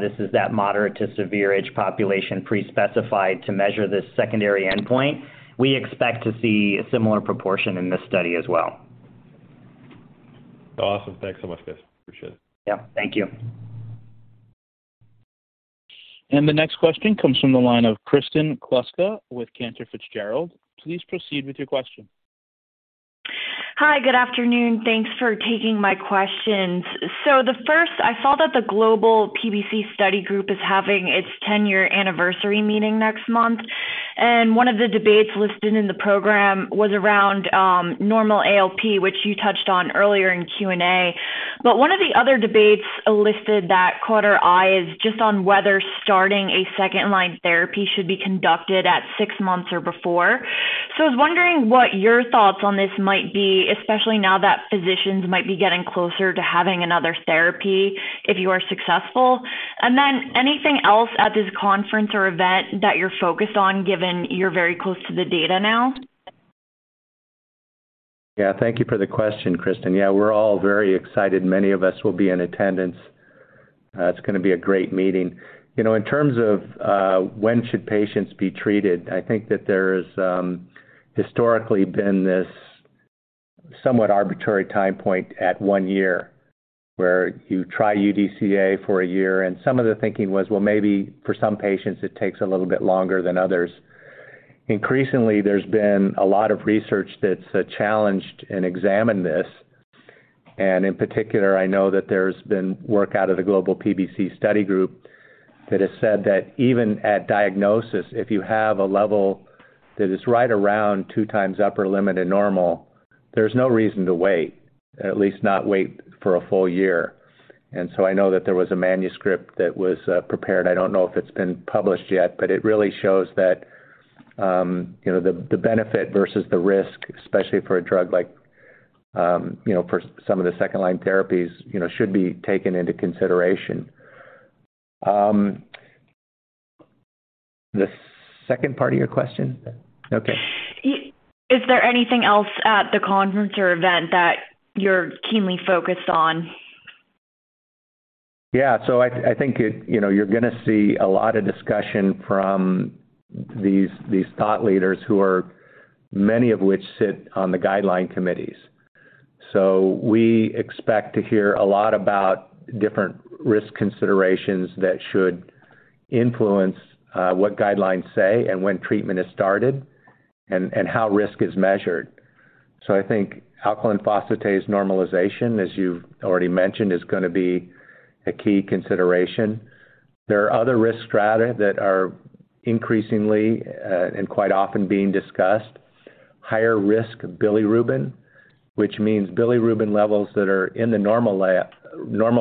This is that moderate to severe itch population pre-specified to measure this secondary endpoint. We expect to see a similar proportion in this study as well. Awesome. Thanks so much, guys. Appreciate it. Yeah, thank you. The next question comes from the line of Kristen Kluska with Cantor Fitzgerald. Please proceed with your question. Hi, good afternoon. Thanks for taking my questions. The first, I saw that the Global PBC Study Group is having its 10-year anniversary meeting next month, and one of the debates listed in the program was around normal ALP, which you touched on earlier in Q&A. One of the other debates listed that caught our eye is just on whether starting a second line therapy should be conducted at six months or before. I was wondering what your thoughts on this might be, especially now that physicians might be getting closer to having another therapy if you are successful. Anything else at this conference or event that you're focused on given you're very close to the data now? Yeah, thank you for the question, Kristin. Yeah, we're all very excited. Many of us will be in attendance. It's gonna be a great meeting. You know, in terms of, when should patients be treated, I think that there's historically been this somewhat arbitrary time point at one year where you try UDCA for one year, and some of the thinking was, well, maybe for some patients it takes a little bit longer than others. Increasingly, there's been a lot of research that's challenged and examined this. In particular, I know that there's been work out of the Global PBC Study Group that has said that even at diagnosis, if you have a level that is right around two times upper limit and normal, there's no reason to wait, at least not wait for one full year. I know that there was a manuscript that was prepared. I don't know if it's been published yet, but it really shows that, you know, the benefit versus the risk, especially for a drug like, you know, for some of the second line therapies, you know, should be taken into consideration. The second part of your question? Okay. Is there anything else at the conference or event that you're keenly focused on? Yeah. I think it, you know, you're gonna see a lot of discussion from these thought leaders who are many of which sit on the guideline committees. We expect to hear a lot about different risk considerations that should influence what guidelines say and when treatment is started and how risk is measured. I think alkaline phosphatase normalization, as you've already mentioned, is gonna be a key consideration. There are other risk strata that are increasingly and quite often being discussed. Higher risk bilirubin, which means bilirubin levels that are in the normal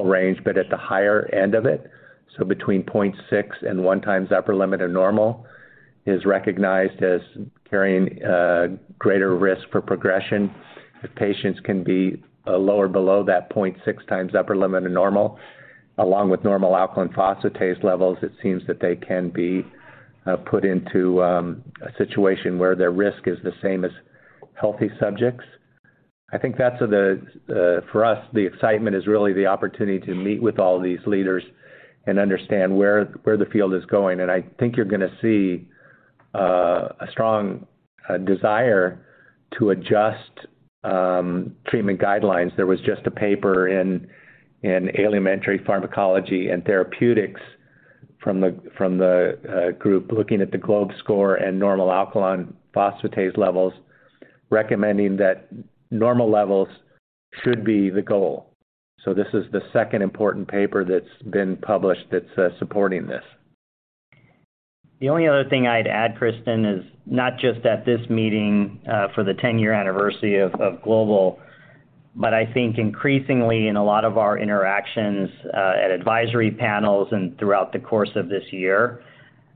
range, but at the higher end of it, so between 0.6 and 1x upper limit of normal, is recognized as carrying greater risk for progression. If patients can be lower below that 0.6 times upper limit of normal, along with normal alkaline phosphatase levels, it seems that they can be put into a situation where their risk is the same as healthy subjects. I think that's the for us, the excitement is really the opportunity to meet with all these leaders and understand where the field is going. I think you're gonna see a strong desire to adjust treatment guidelines. There was just a paper in Alimentary Pharmacology & Therapeutics from the from the group looking at the GLOBE score and normal alkaline phosphatase levels, recommending that normal levels should be the goal. This is the second important paper that's been published that's supporting this. The only other thing I'd add, Kristen, is not just at this meeting, for the 10-year anniversary of GLOBAL, but I think increasingly in a lot of our interactions, at advisory panels and throughout the course of this year,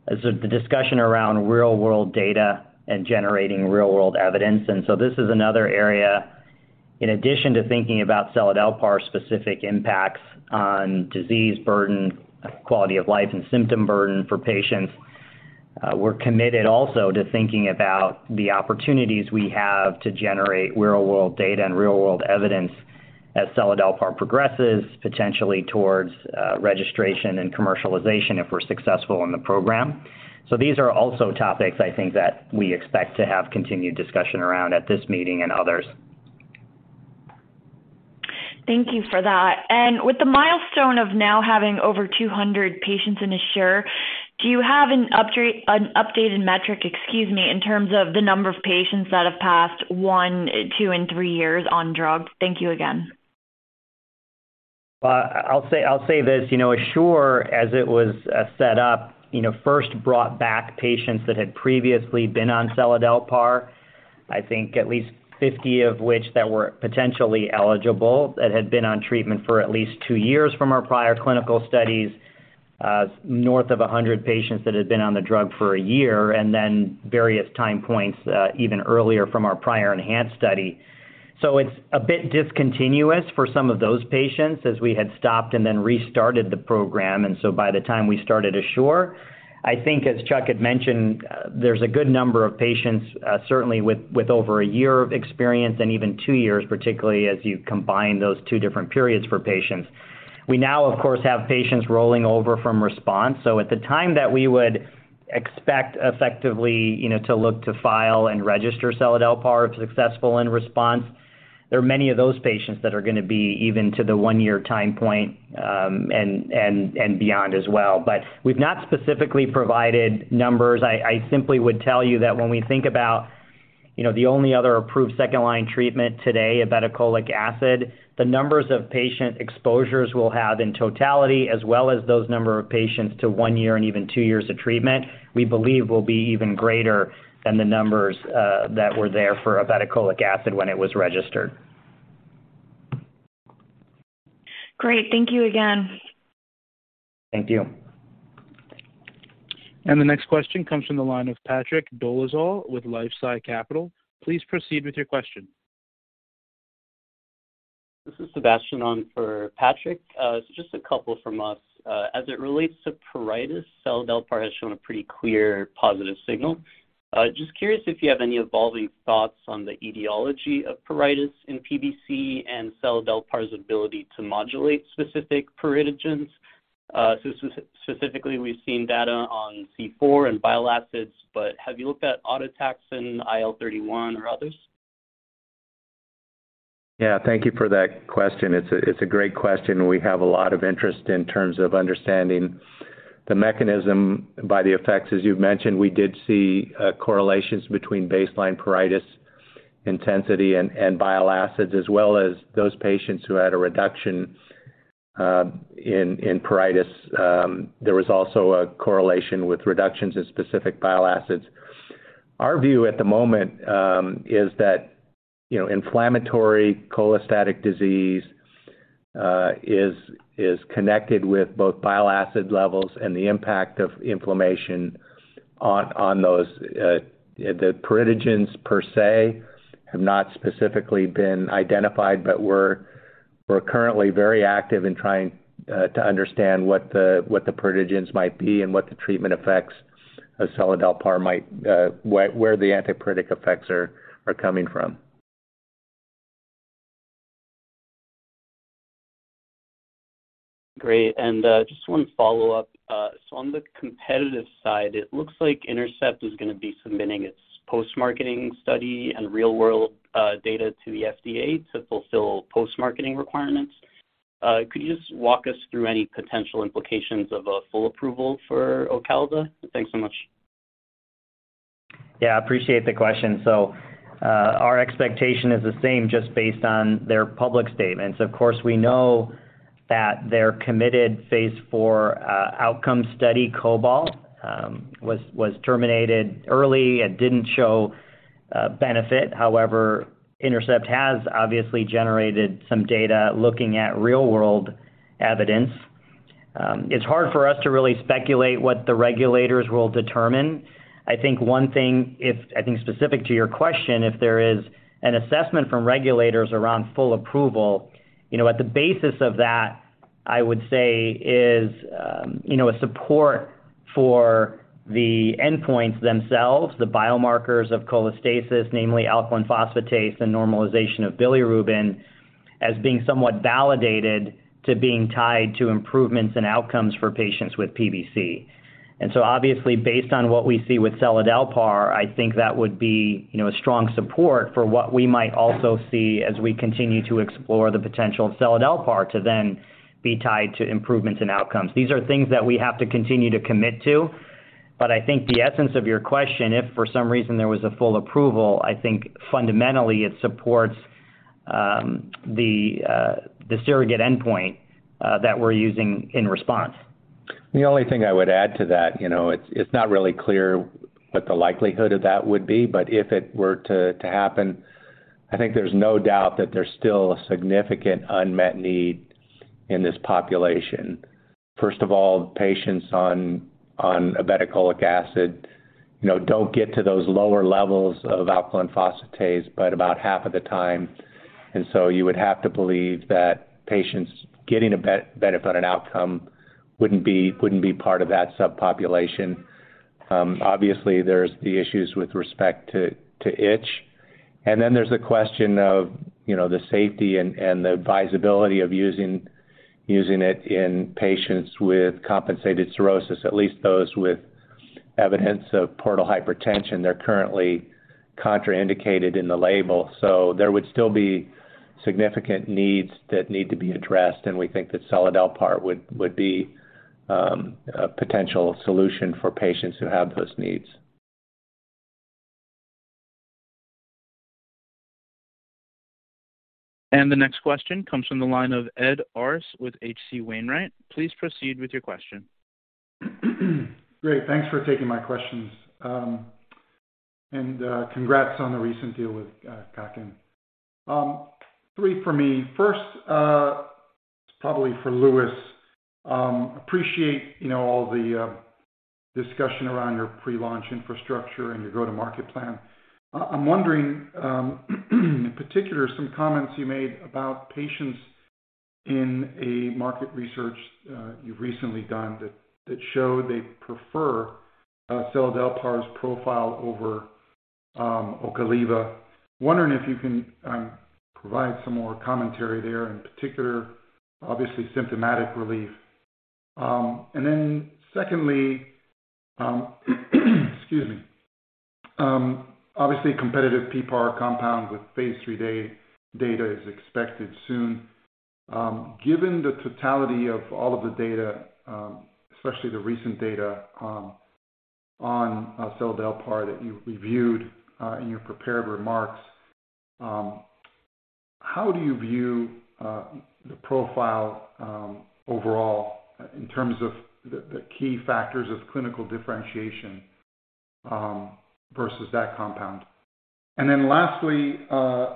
is the discussion around real-world data and generating real-world evidence. This is another area, in addition to thinking about seladelpar's specific impacts on disease burden, quality of life, and symptom burden for patients, we're committed also to thinking about the opportunities we have to generate real-world data and real-world evidence as seladelpar progresses, potentially towards registration and commercialization if we're successful in the program. These are also topics I think that we expect to have continued discussion around at this meeting and others. Thank you for that. With the milestone of now having over 200 patients in ASSURE, do you have an updated metric, excuse me, in terms of the number of patients that have passed one year, two years, and three years on drug? Thank you again. I'll say this. You know, ASSURE, as it was set up, you know, first brought back patients that had previously been on seladelpar. I think at least 50 of which that were potentially eligible, that had been on treatment for at least two years from our prior clinical studies, north of 100 patients that had been on the drug for one year, and then various time points, even earlier from our prior ENHANCE study. It's a bit discontinuous for some of those patients as we had stopped and then restarted the program. By the time we started ASSURE, I think as Chuck had mentioned, there's a good number of patients, certainly with over one year of experience and even two years, particularly as you combine those two different periods for patients. We now, of course, have patients rolling over from RESPONSE. At the time that we would expect effectively, you know, to look to file and register seladelpar if successful in RESPONSE, there are many of those patients that are gonna be even to the one year time point, and beyond as well. We've not specifically provided numbers. I simply would tell you that when we think about, you know, the only other approved second line treatment today, obeticholic acid, the numbers of patient exposures we'll have in totality as well as those number of patients to one year and even two years of treatment, we believe will be even greater than the numbers that were there for obeticholic acid when it was registered. Great. Thank you again. Thank you. The next question comes from the line of Patrick Dolezal with LifeSci Capital. Please proceed with your question. This is Sebastian on for Patrick. Just a couple from us. As it relates to pruritus, seladelpar has shown a pretty clear positive signal. Just curious if you have any evolving thoughts on the etiology of pruritus in PBC and seladelpar's ability to modulate specific pruritigens. Specifically, we've seen data on C4 and bile acids, but have you looked at autotaxin, IL-31 or others? Yeah. Thank you for that question. It's a great question. We have a lot of interest in terms of understanding the mechanism by the effects. As you've mentioned, we did see correlations between baseline pruritus intensity and bile acids, as well as those patients who had a reduction in pruritus. There was also a correlation with reductions in specific bile acids. Our view at the moment is that, you know, inflammatory cholestatic disease is connected with both bile acid levels and the impact of inflammation on those. The pruritigens per se have not specifically been identified, but we're currently very active in trying to understand what the pruritigens might be and where the antipruritic effects are coming from. Great. Just one follow-up. On the competitive side, it looks like Intercept is gonna be submitting its post-marketing study and real-world data to the FDA to fulfill post-marketing requirements. Could you just walk us through any potential implications of a full approval for Ocaliva? Thanks so much. Yeah, I appreciate the question. Our expectation is the same just based on their public statements. Of course, we know that their committed phase four outcome study COBALT was terminated early. It didn't show benefit. However, Intercept has obviously generated some data looking at real-world evidence. It's hard for us to really speculate what the regulators will determine. I think one thing, if I think specific to your question, if there is an assessment from regulators around full approval, you know, at the basis of that, I would say is, you know, a support for the endpoints themselves, the biomarkers of cholestasis, namely alkaline phosphatase and normalization of bilirubin as being somewhat validated to being tied to improvements in outcomes for patients with PBC. Obviously based on what we see with seladelpar, I think that would be a strong support for what we might also see as we continue to explore the potential of seladelpar to then be tied to improvements in outcomes. These are things that we have to continue to commit to, but I think the essence of your question, if for some reason there was a full approval, I think fundamentally it supports the surrogate endpoint that we're using in RESPONSE. The only thing I would add to that, you know, it's not really clear what the likelihood of that would be, but if it were to happen, I think there's no doubt that there's still a significant unmet need in this population. First of all, patients on obeticholic acid, you know, don't get to those lower levels of alkaline phosphatase, but about half of the time. You would have to believe that patients getting benefit on an outcome wouldn't be, wouldn't be part of that subpopulation. Obviously there's the issues with respect to itch, and then there's the question of, you know, the safety and the advisability of using it in patients with compensated cirrhosis, at least those with evidence of portal hypertension. They're currently contraindicated in the label. There would still be significant needs that need to be addressed, and we think that seladelpar would be a potential solution for patients who have those needs. The next question comes from the line of Ed Ars with H.C. Wainwright. Please proceed with your question. Great. Thanks for taking my questions. Congrats on the recent deal with Kaken. Three for me. First, probably for Lewis. Appreciate, you know, all the discussion around your pre-launch infrastructure and your go-to-market plan. I'm wondering in particular some comments you made about patients in a market research you've recently done that show they prefer seladelpar's profile over Ocaliva. Wondering if you can provide some more commentary there, in particular, obviously symptomatic relief. Secondly, excuse me. Obviously competitive PPAR compounds with phase three data is expected soon. Given the totality of all of the data, especially the recent data, on seladelpar that you reviewed in your prepared remarks, how do you view the profile overall in terms of the key factors of clinical differentiation versus that compound? Lastly, I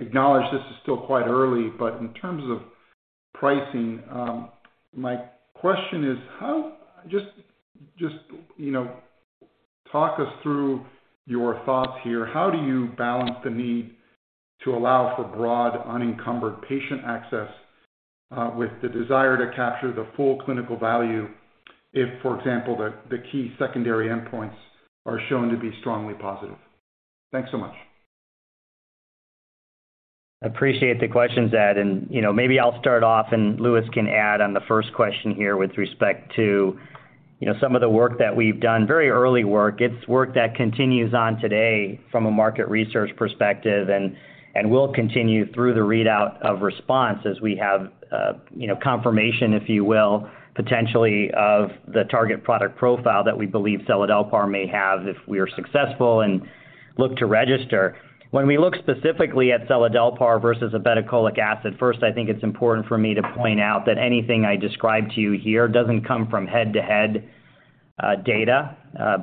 acknowledge this is still quite early, but in terms of pricing, my question is how. Just, you know, talk us through your thoughts here. How do you balance the need to allow for broad unencumbered patient access with the desire to capture the full clinical value if, for example, the key secondary endpoints are shown to be strongly positive? Thanks so much. Appreciate the questions, Ed. You know, maybe I'll start off and Lewis Stuart can add on the first question here with respect to, you know, some of the work that we've done, very early work. It's work that continues on today from a market research perspective and will continue through the readout of RESPONSE as we have, you know, confirmation, if you will, potentially of the target product profile that we believe seladelpar may have if we are successful and look to register. When we look specifically at seladelpar versus obeticholic acid, first, I think it's important for me to point out that anything I describe to you here doesn't come from head-to-head data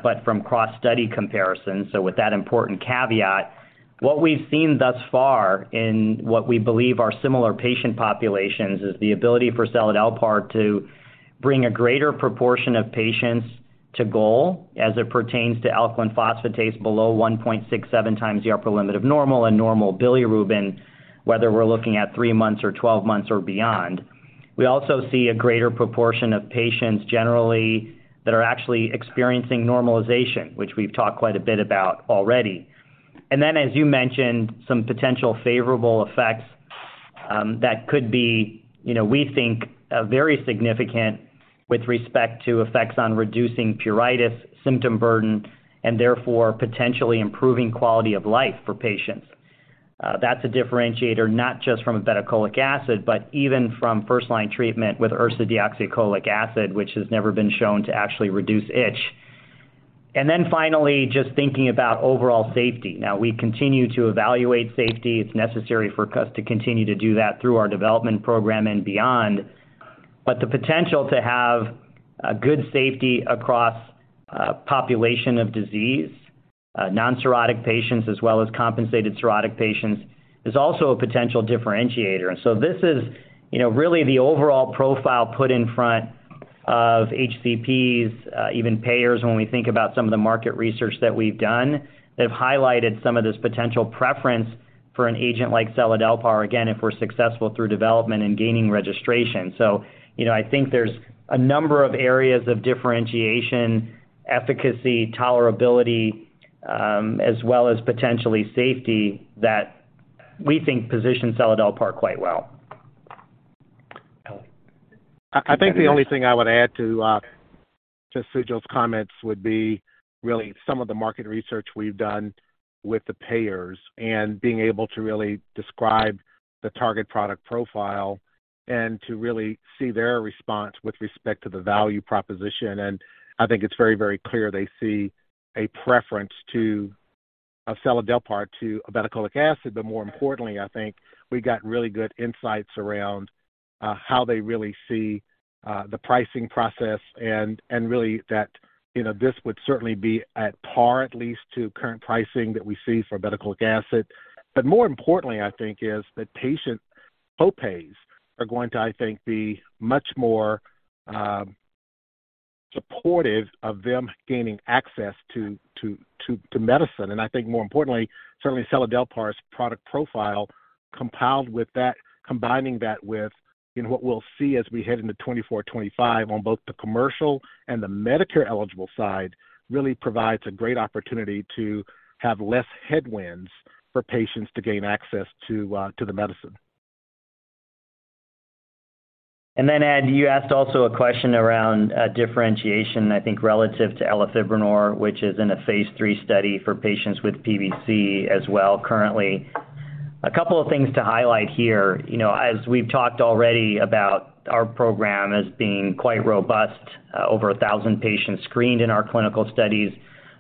but from cross study comparisons. With that important caveat, what we've seen thus far in what we believe are similar patient populations is the ability for seladelpar to bring a greater proportion of patients to goal as it pertains to alkaline phosphatase below 1.67 times the upper limit of normal and normal bilirubin, whether we're looking at three months or 12 months or beyond. We also see a greater proportion of patients generally that are actually experiencing normalization, which we've talked quite a bit about already. As you mentioned, some potential favorable effects, that could be, you know, we think a very significantWith respect to effects on reducing pruritus, symptom burden, and therefore potentially improving quality of life for patients. That's a differentiator not just from a ursodeoxycholic acid, but even from first line treatment with ursodeoxycholic acid, which has never been shown to actually reduce itch. Finally just thinking about overall safety. Now we continue to evaluate safety. It's necessary for us to continue to do that through our development program and beyond. The potential to have a good safety across a population of disease, non-cirrhotic patients as well as compensated cirrhotic patients, is also a potential differentiator. This is, you know, really the overall profile put in front of HCPs, even payers when we think about some of the market research that we've done that have highlighted some of this potential preference for an agent like seladelpar, again, if we're successful through development and gaining registration. You know, I think there's a number of areas of differentiation, efficacy, tolerability, as well as potentially safety that we think position seladelpar quite well. I think the only thing I would add to Sujal's comments would be really some of the market research we've done with the payers and being able to really describe the target product profile and to really see their response with respect to the value proposition. I think it's very, very clear they see a preference to seladelpar to ursodeoxycholic acid. More importantly, I think we got really good insights around how they really see the pricing process and really that, you know, this would certainly be at par at least to current pricing that we see for ursodeoxycholic acid. More importantly, I think is that patient co-pays are going to, I think, be much more supportive of them gaining access to medicine. I think more importantly, certainly seladelpar's product profile compiled with that combining that with, you know, what we'll see as we head into 2024, 2025 on both the commercial and the Medicare-eligible side, really provides a great opportunity to have less headwinds for patients to gain access to the medicine. Ed, you asked also a question around differentiation, I think, relative to elafibranor, which is in a Phase three study for patients with PBC as well currently. A couple of things to highlight here. You know, as we've talked already about our program as being quite robust, over 1,000 patients screened in our clinical studies.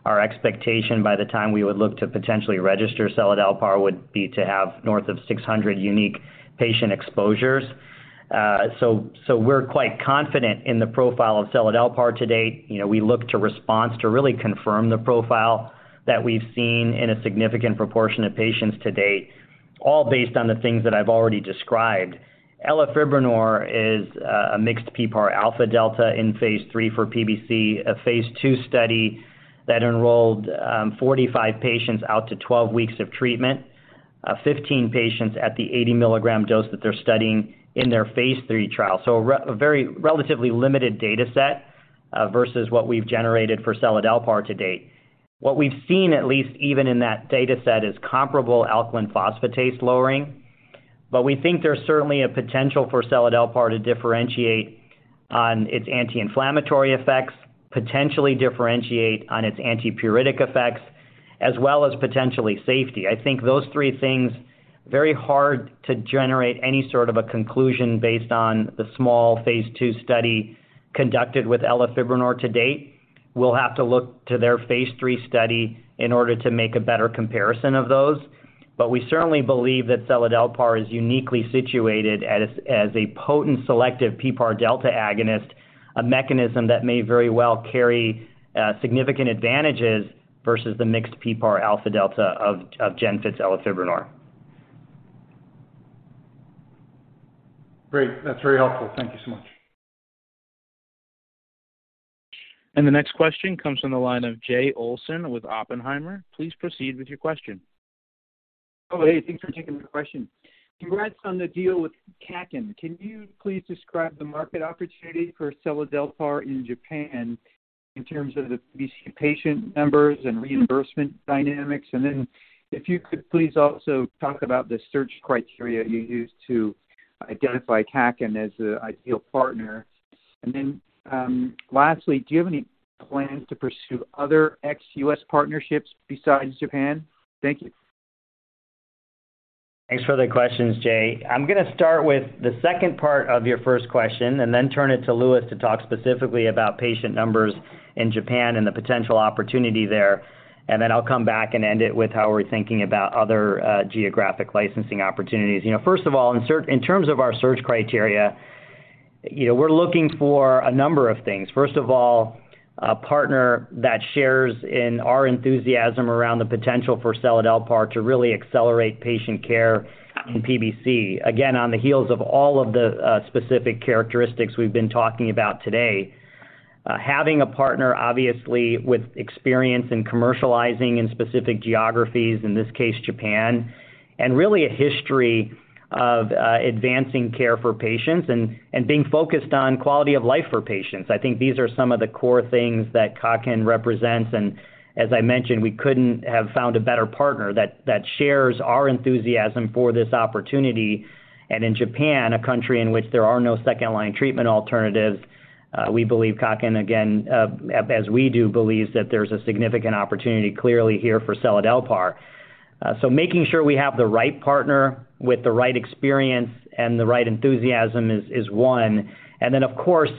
Our expectation by the time we would look to potentially register seladelpar would be to have north of 600 unique patient exposures. We're quite confident in the profile of seladelpar to date. You know, we look to RESPONSE to really confirm the profile that we've seen in a significant proportion of patients to date, all based on the things that I've already described. Elafibranor is a mixed PPAR alpha/delta in phase three for PBC, a phase two study that enrolled 45 patients out to 12 weeks of treatment, 15 patients at the 80 milligram dose that they're studying in their phase three trial. A very relatively limited data set versus what we've generated for seladelpar to date. What we've seen, at least even in that data set, is comparable alkaline phosphatase lowering. We think there's certainly a potential for seladelpar to differentiate on its anti-inflammatory effects, potentially differentiate on its antipruritic effects, as well as potentially safety. I think those three things, very hard to generate any sort of a conclusion based on the small phase two study conducted with elafibranor to date. We'll have to look to their phase three study in order to make a better comparison of those. We certainly believe that seladelpar is uniquely situated as a potent selective PPAR Delta agonist, a mechanism that may very well carry significant advantages versus the mixed PPAR Alpha Delta of GENFIT's elafibranor. Great. That's very helpful. Thank you so much. The next question comes from the line of Jay Olson with Oppenheimer. Please proceed with your question. Oh, hey, thanks for taking my question. Congrats on the deal with Kaken. Can you please describe the market opportunity for seladelpar in Japan in terms of the PBC patient numbers and reimbursement dynamics? If you could please also talk about the search criteria you used to identify Kaken as the ideal partner. Lastly, do you have any plans to pursue other ex-US partnerships besides Japan? Thank you. Thanks for the questions, Jay. I'm gonna start with the second part of your first question and then turn it to Lewis to talk specifically about patient numbers in Japan and the potential opportunity there. I'll come back and end it with how we're thinking about other geographic licensing opportunities. You know, first of all, in terms of our search criteria, you know, we're looking for a number of things. First of all, a partner that shares in our enthusiasm around the potential for seladelpar to really accelerate patient care in PBC. Again, on the heels of all of the specific characteristics we've been talking about today. Having a partner, obviously, with experience in commercializing in specific geographies, in this case, Japan, and really a history of advancing care for patients and being focused on quality of life for patients. I think these are some of the core things that Kaken represents. As I mentioned, we couldn't have found a better partner that shares our enthusiasm for this opportunity. In Japan, a country in which there are no second-line treatment alternatives, we believe Kaken again, as we do, believes that there's a significant opportunity clearly here for seladelpar. Making sure we have the right partner with the right experience and the right enthusiasm is one. Then of course,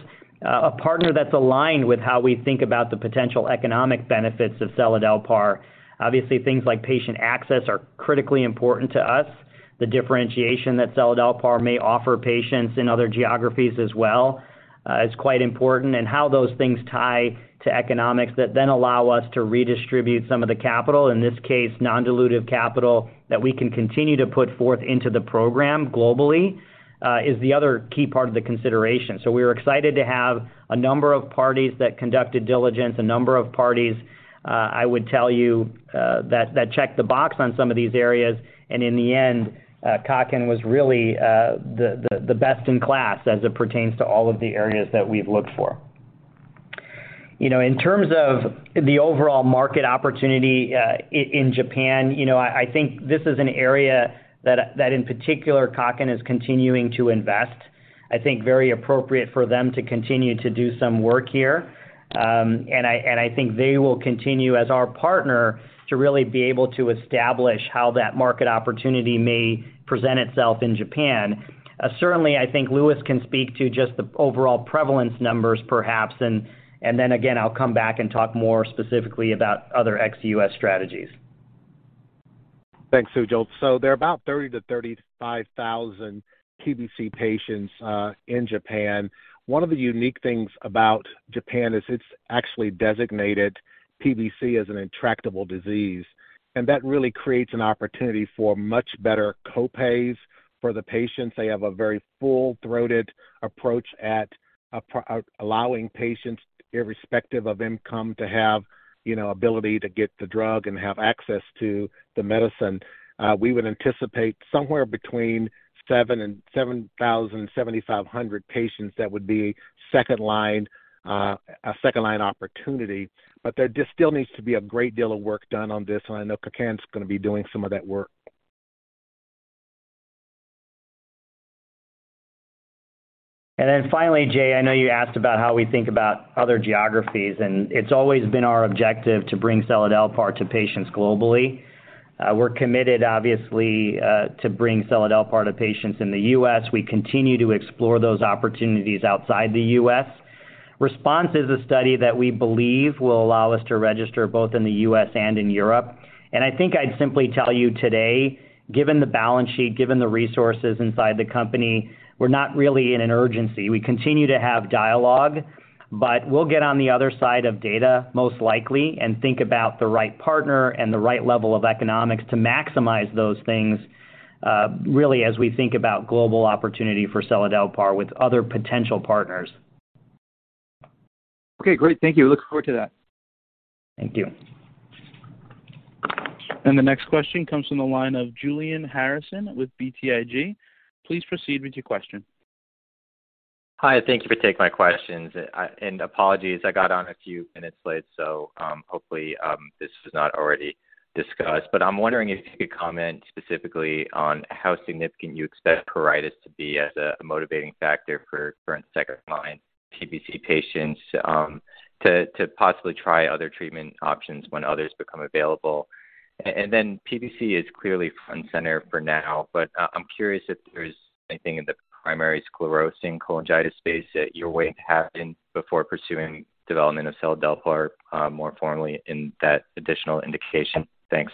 a partner that's aligned with how we think about the potential economic benefits of seladelpar. Obviously, things like patient access are critically important to us. The differentiation that seladelpar may offer patients in other geographies as well, is quite important. How those things tie to economics that then allow us to redistribute some of the capital, in this case, non-dilutive capital that we can continue to put forth into the program globally, is the other key part of the consideration. We are excited to have a number of parties that conducted diligence, a number of parties, I would tell you, that checked the box on some of these areas. In the end, Kaken was really the best in class as it pertains to all of the areas that we've looked for. You know, in terms of the overall market opportunity, in Japan, you know, I think this is an area that in particular Kaken is continuing to invest. I think very appropriate for them to continue to do some work here. I think they will continue as our partner to really be able to establish how that market opportunity may present itself in Japan. Certainly, I think Lewis can speak to just the overall prevalence numbers perhaps. Again, I'll come back and talk more specifically about other ex-US strategies. Thanks, Sujal. There are about 30,000PBC patients-35,000 PBC patients in Japan. One of the unique things about Japan is it's actually designated PBC as an intractable disease, that really creates an opportunity for much better co-pays for the patients. They have a very full-throated approach allowing patients, irrespective of income, to have, you know, ability to get the drug and have access to the medicine. We would anticipate somewhere between 7,000 patients-7,500 patients that would be second line, a second line opportunity. There still needs to be a great deal of work done on this, and I know Kaken's gonna be doing some of that work. Finally, Jay, I know you asked about how we think about other geographies, and it's always been our objective to bring seladelpar to patients globally. We're committed obviously to bring seladelpar to patients in the U.S. We continue to explore those opportunities outside the U.S. RESPONSE is a study that we believe will allow us to register both in the U.S. and in Europe. I think I'd simply tell you today, given the balance sheet, given the resources inside the company, we're not really in an urgency. We continue to have dialogue, but we'll get on the other side of data, most likely, and think about the right partner and the right level of economics to maximize those things really as we think about global opportunity for seladelpar with other potential partners. Okay, great. Thank you. Look forward to that. Thank you. The next question comes from the line of Julian Harrison with BTIG. Please proceed with your question. Hi, thank you for taking my questions. And apologies, I got on a few minutes late, so, hopefully, this was not already discussed. I'm wondering if you could comment specifically on how significant you expect pruritus to be as a motivating factor for current second-line PBC patients, to possibly try other treatment options when others become available. Then PBC is clearly front and center for now, but I'm curious if there's anything in the primary sclerosing cholangitis space that you're waiting to happen before pursuing development of seladelpar, more formally in that additional indication. Thanks.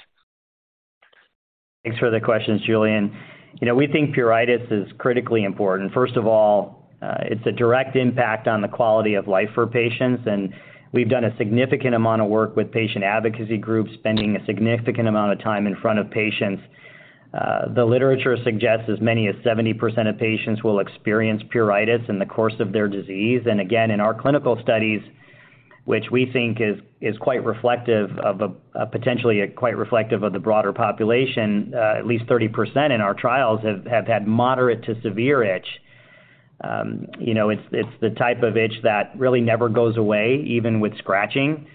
Thanks for the questions, Julian. You know, we think pruritus is critically important. First of all, it's a direct impact on the quality of life for patients, and we've done a significant amount of work with patient advocacy groups, spending a significant amount of time in front of patients. The literature suggests as many as 70% of patients will experience pruritus in the course of their disease. Again, in our clinical studies, which we think is quite reflective of, potentially quite reflective of the broader population, at least 30% in our trials have had moderate to severe itch. You know, it's the type of itch that really never goes away, even with scratching.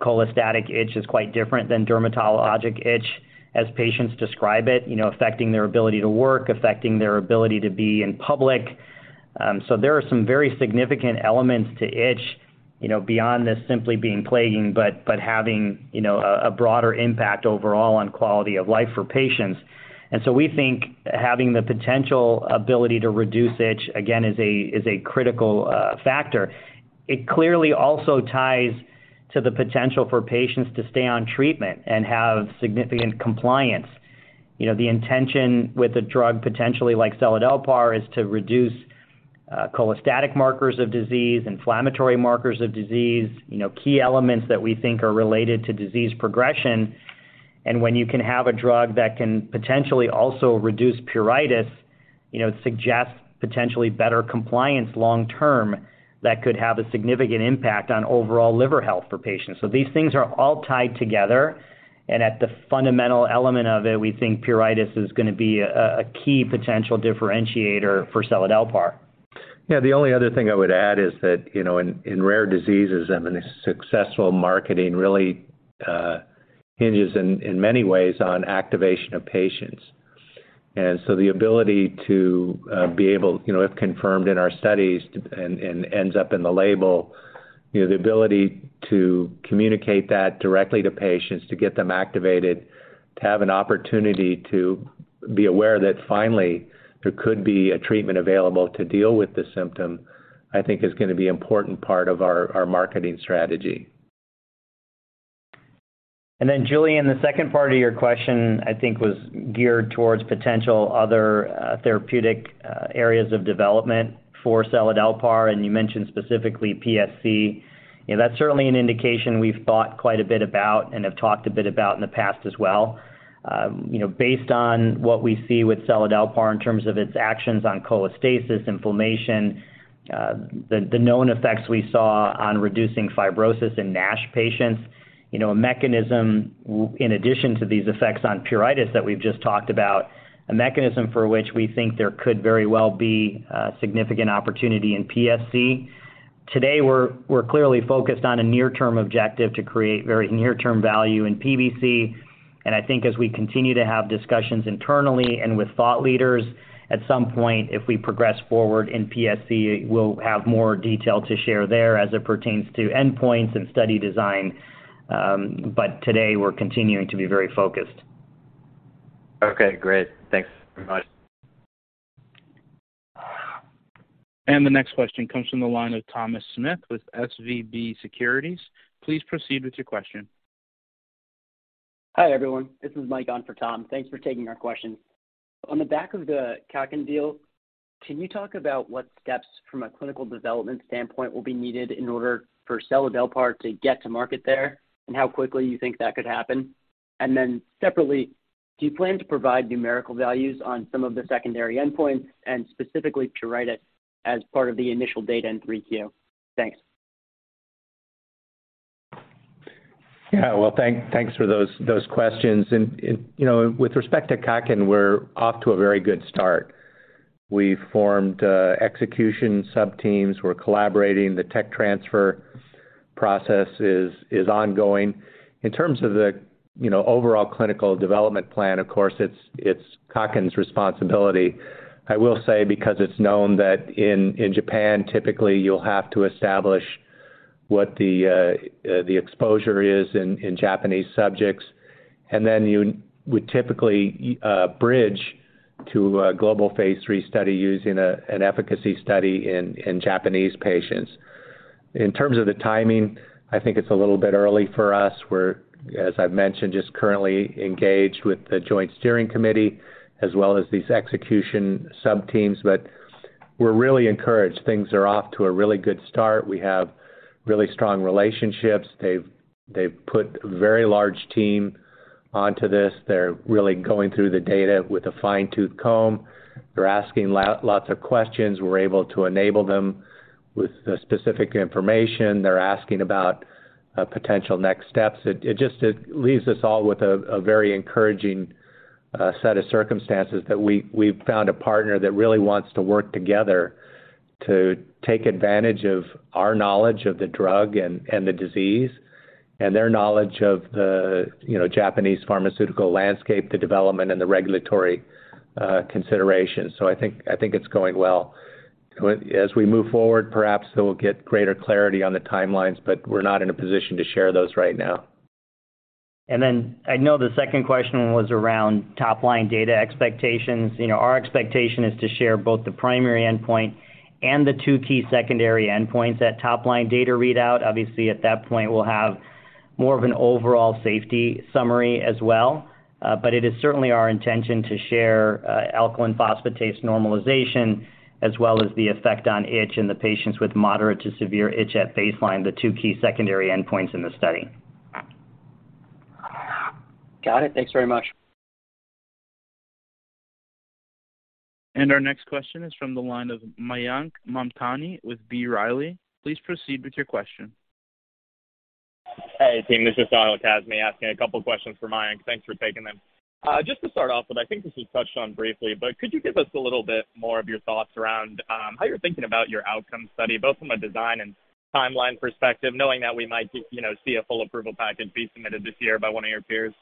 Cholestatic itch is quite different than dermatologic itch as patients describe it, you know, affecting their ability to work, affecting their ability to be in public. There are some very significant elements to itch, you know, beyond this simply being plaguing, but having, you know, a broader impact overall on quality of life for patients. We think having the potential ability to reduce itch, again, is a critical factor. It clearly also ties to the potential for patients to stay on treatment and have significant compliance. You know, the intention with a drug potentially like seladelpar is to reduce cholestatic markers of disease, inflammatory markers of disease, you know, key elements that we think are related to disease progression. When you can have a drug that can potentially also reduce pruritus, you know, it suggests potentially better compliance long term that could have a significant impact on overall liver health for patients. These things are all tied together, and at the fundamental element of it, we think pruritus is gonna be a key potential differentiator for seladelpar. Yeah, the only other thing I would add is that, you know, in rare diseases, I mean, successful marketing really hinges in many ways on activation of patients. The ability to be able, you know, if confirmed in our studies to and ends up in the label, you know, the ability to communicate that directly to patients, to get them activated, to have an opportunity to be aware that finally there could be a treatment available to deal with the symptom, I think is gonna be important part of our marketing strategy. Julian, the second part of your question, I think, was geared towards potential other therapeutic areas of development for seladelpar, and you mentioned specifically PSC. You know, that's certainly an indication we've thought quite a bit about and have talked a bit about in the past as well. You know, based on what we see with seladelpar in terms of its actions on cholestasis inflammation, the known effects we saw on reducing fibrosis in NASH patients, you know, a mechanism in addition to these effects on pruritus that we've just talked about, a mechanism for which we think there could very well be a significant opportunity in PSC. Today, we're clearly focused on a near-term objective to create very near-term value in PBC. I think as we continue to have discussions internally and with thought leaders, at some point, if we progress forward in PSC, we'll have more detail to share there as it pertains to endpoints and study design. Today, we're continuing to be very focused. Okay, great. Thanks very much. The next question comes from the line of Thomas Smith with SVB Securities. Please proceed with your question. Hi, everyone. This is Mike on for Tom. Thanks for taking our questions. On the back of the Kaken deal, can you talk about what steps from a clinical development standpoint will be needed in order for seladelpar to get to market there, and how quickly you think that could happen? Separately, do you plan to provide numerical values on some of the secondary endpoints and specifically pruritus as part of the initial data in 3Q? Thanks. Yeah. Well, thanks for those questions. You know, with respect to Kaken, we're off to a very good start. We formed execution subteams. We're collaborating. The tech transfer process is ongoing. In terms of the, you know, overall clinical development plan, of course, it's Kaken's responsibility. I will say because it's known that in Japan, typically you'll have to establish what the exposure is in Japanese subjects, and then you would typically bridge to a global phase three study using an efficacy study in Japanese patients. In terms of the timing, I think it's a little bit early for us. We're, as I've mentioned, just currently engaged with the Joint Steering Committee as well as these execution subteams. We're really encouraged. Things are off to a really good start. We have really strong relationships. They've put a very large team onto this. They're really going through the data with a fine-tooth comb. They're asking lots of questions. We're able to enable them with the specific information. They're asking about potential next steps. It just leaves us all with a very encouraging set of circumstances that we've found a partner that really wants to work together to take advantage of our knowledge of the drug and the disease and their knowledge of the, you know, Japanese pharmaceutical landscape, the development and the regulatory considerations. I think it's going well. As we move forward, perhaps we'll get greater clarity on the timelines, but we're not in a position to share those right now. I know the second question was around top-line data expectations. You know, our expectation is to share both the primary endpoint and the two key secondary endpoints at top-line data readout. Obviously, at that point, we'll have more of an overall safety summary as well. It is certainly our intention to share alkaline phosphatase normalization, as well as the effect on itch in the patients with moderate to severe itch at baseline, the two key secondary endpoints in the study. Got it. Thanks very much. Our next question is from the line of Mayank Momtani with B. Riley. Please proceed with your question. Hey, team, this is Sahil Kazmiasking a couple questions for Mayank. Thanks for taking them. Just to start off with, I think this was touched on briefly, but could you give us a little bit more of your thoughts around, how you're thinking about your outcome study, both from a design and timeline perspective, knowing that we might see, you know, see a full approval package be submitted this year by one of your peers?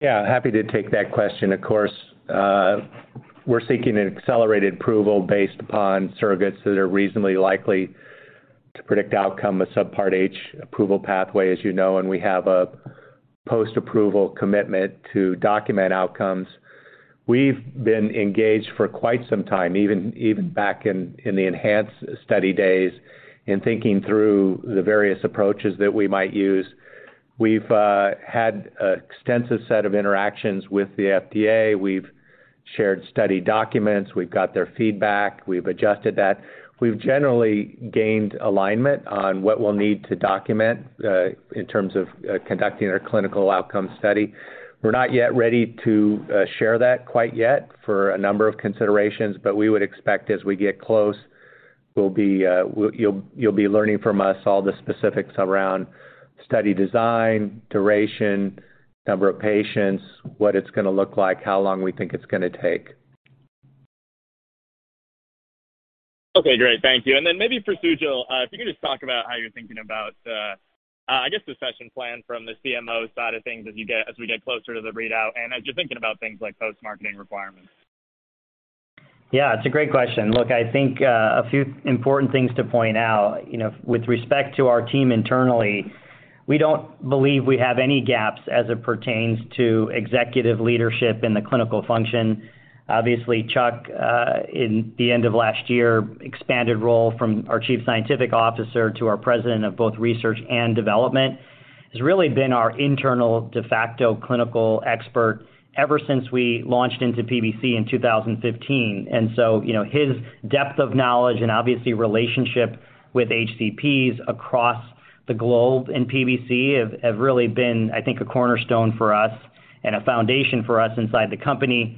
Yeah, happy to take that question. Of course, we're seeking an accelerated approval based upon surrogates that are reasonably likely to predict outcome, a Subpart H approval pathway, as you know, and we have a post-approval commitment to document outcomes. We've been engaged for quite some time, even back in the ENHANCE study days, in thinking through the various approaches that we might use. We've had extensive set of interactions with the FDA. We've shared study documents. We've got their feedback. We've adjusted that. We've generally gained alignment on what we'll need to document in terms of conducting our clinical outcome study. We're not yet ready to share that quite yet for a number of considerations, but we would expect as we get close, you'll be learning from us all the specifics around study design, duration. Number of patients, what it's going to look like, how long we think it's going to take. Okay, great. Thank you. Then maybe for Sujal, if you could just talk about how you're thinking about, I guess the session plan from the CMO side of things as we get closer to the readout and as you're thinking about things like post-marketing requirements. Yeah, it's a great question. Look, I think, a few important things to point out, you know, with respect to our team internally, we don't believe we have any gaps as it pertains to executive leadership in the clinical function. Obviously, Chuck, in the end of last year, expanded role from our chief scientific officer to our president of both research and development, has really been our internal de facto clinical expert ever since we launched into PBC in 2015. You know, his depth of knowledge and obviously relationship with HCPs across the globe in PBC have really been, I think, a cornerstone for us and a foundation for us inside the company.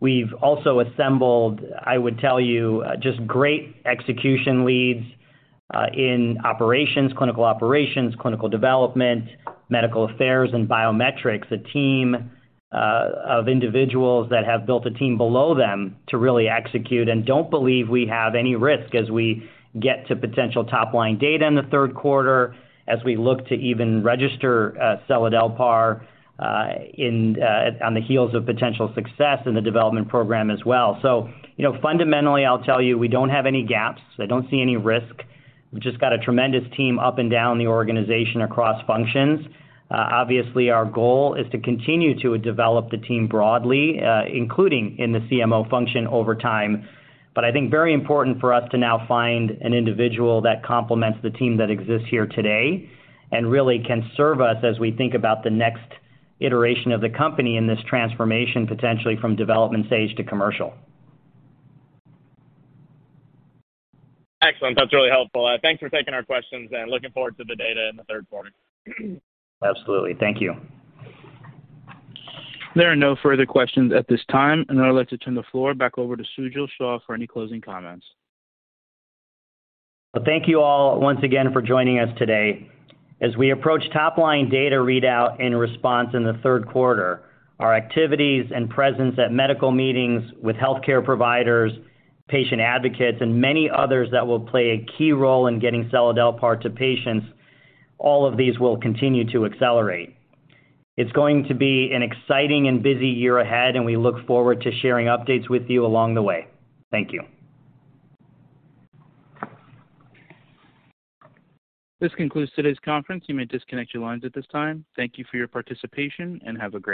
We've also assembled, I would tell you, just great execution leads, in operations, clinical operations, clinical development, medical affairs, and biometrics. A team of individuals that have built a team below them to really execute and don't believe we have any risk as we get to potential top-line data in the third quarter as we look to even register seladelpar in on the heels of potential success in the development program as well. You know, fundamentally, I'll tell you, we don't have any gaps. I don't see any risk. We've just got a tremendous team up and down the organization across functions. Obviously, our goal is to continue to develop the team broadly, including in the CMO function over time. I think very important for us to now find an individual that complements the team that exists here today and really can serve us as we think about the next iteration of the company in this transformation, potentially from development stage to commercial. Excellent. That's really helpful. Thanks for taking our questions and looking forward to the data in the third quarter. Absolutely. Thank you. There are no further questions at this time. I'd like to turn the floor back over to Sujal Shah for any closing comments. Thank you all once again for joining us today. As we approach top-line data readout and RESPONSE in the third quarter, our activities and presence at medical meetings with healthcare providers, patient advocates, and many others that will play a key role in getting seladelpar to patients, all of these will continue to accelerate. It's going to be an exciting and busy year ahead, and we look forward to sharing updates with you along the way. Thank you. This concludes today's conference. You may disconnect your lines at this time. Thank you for your participation, and have a great day.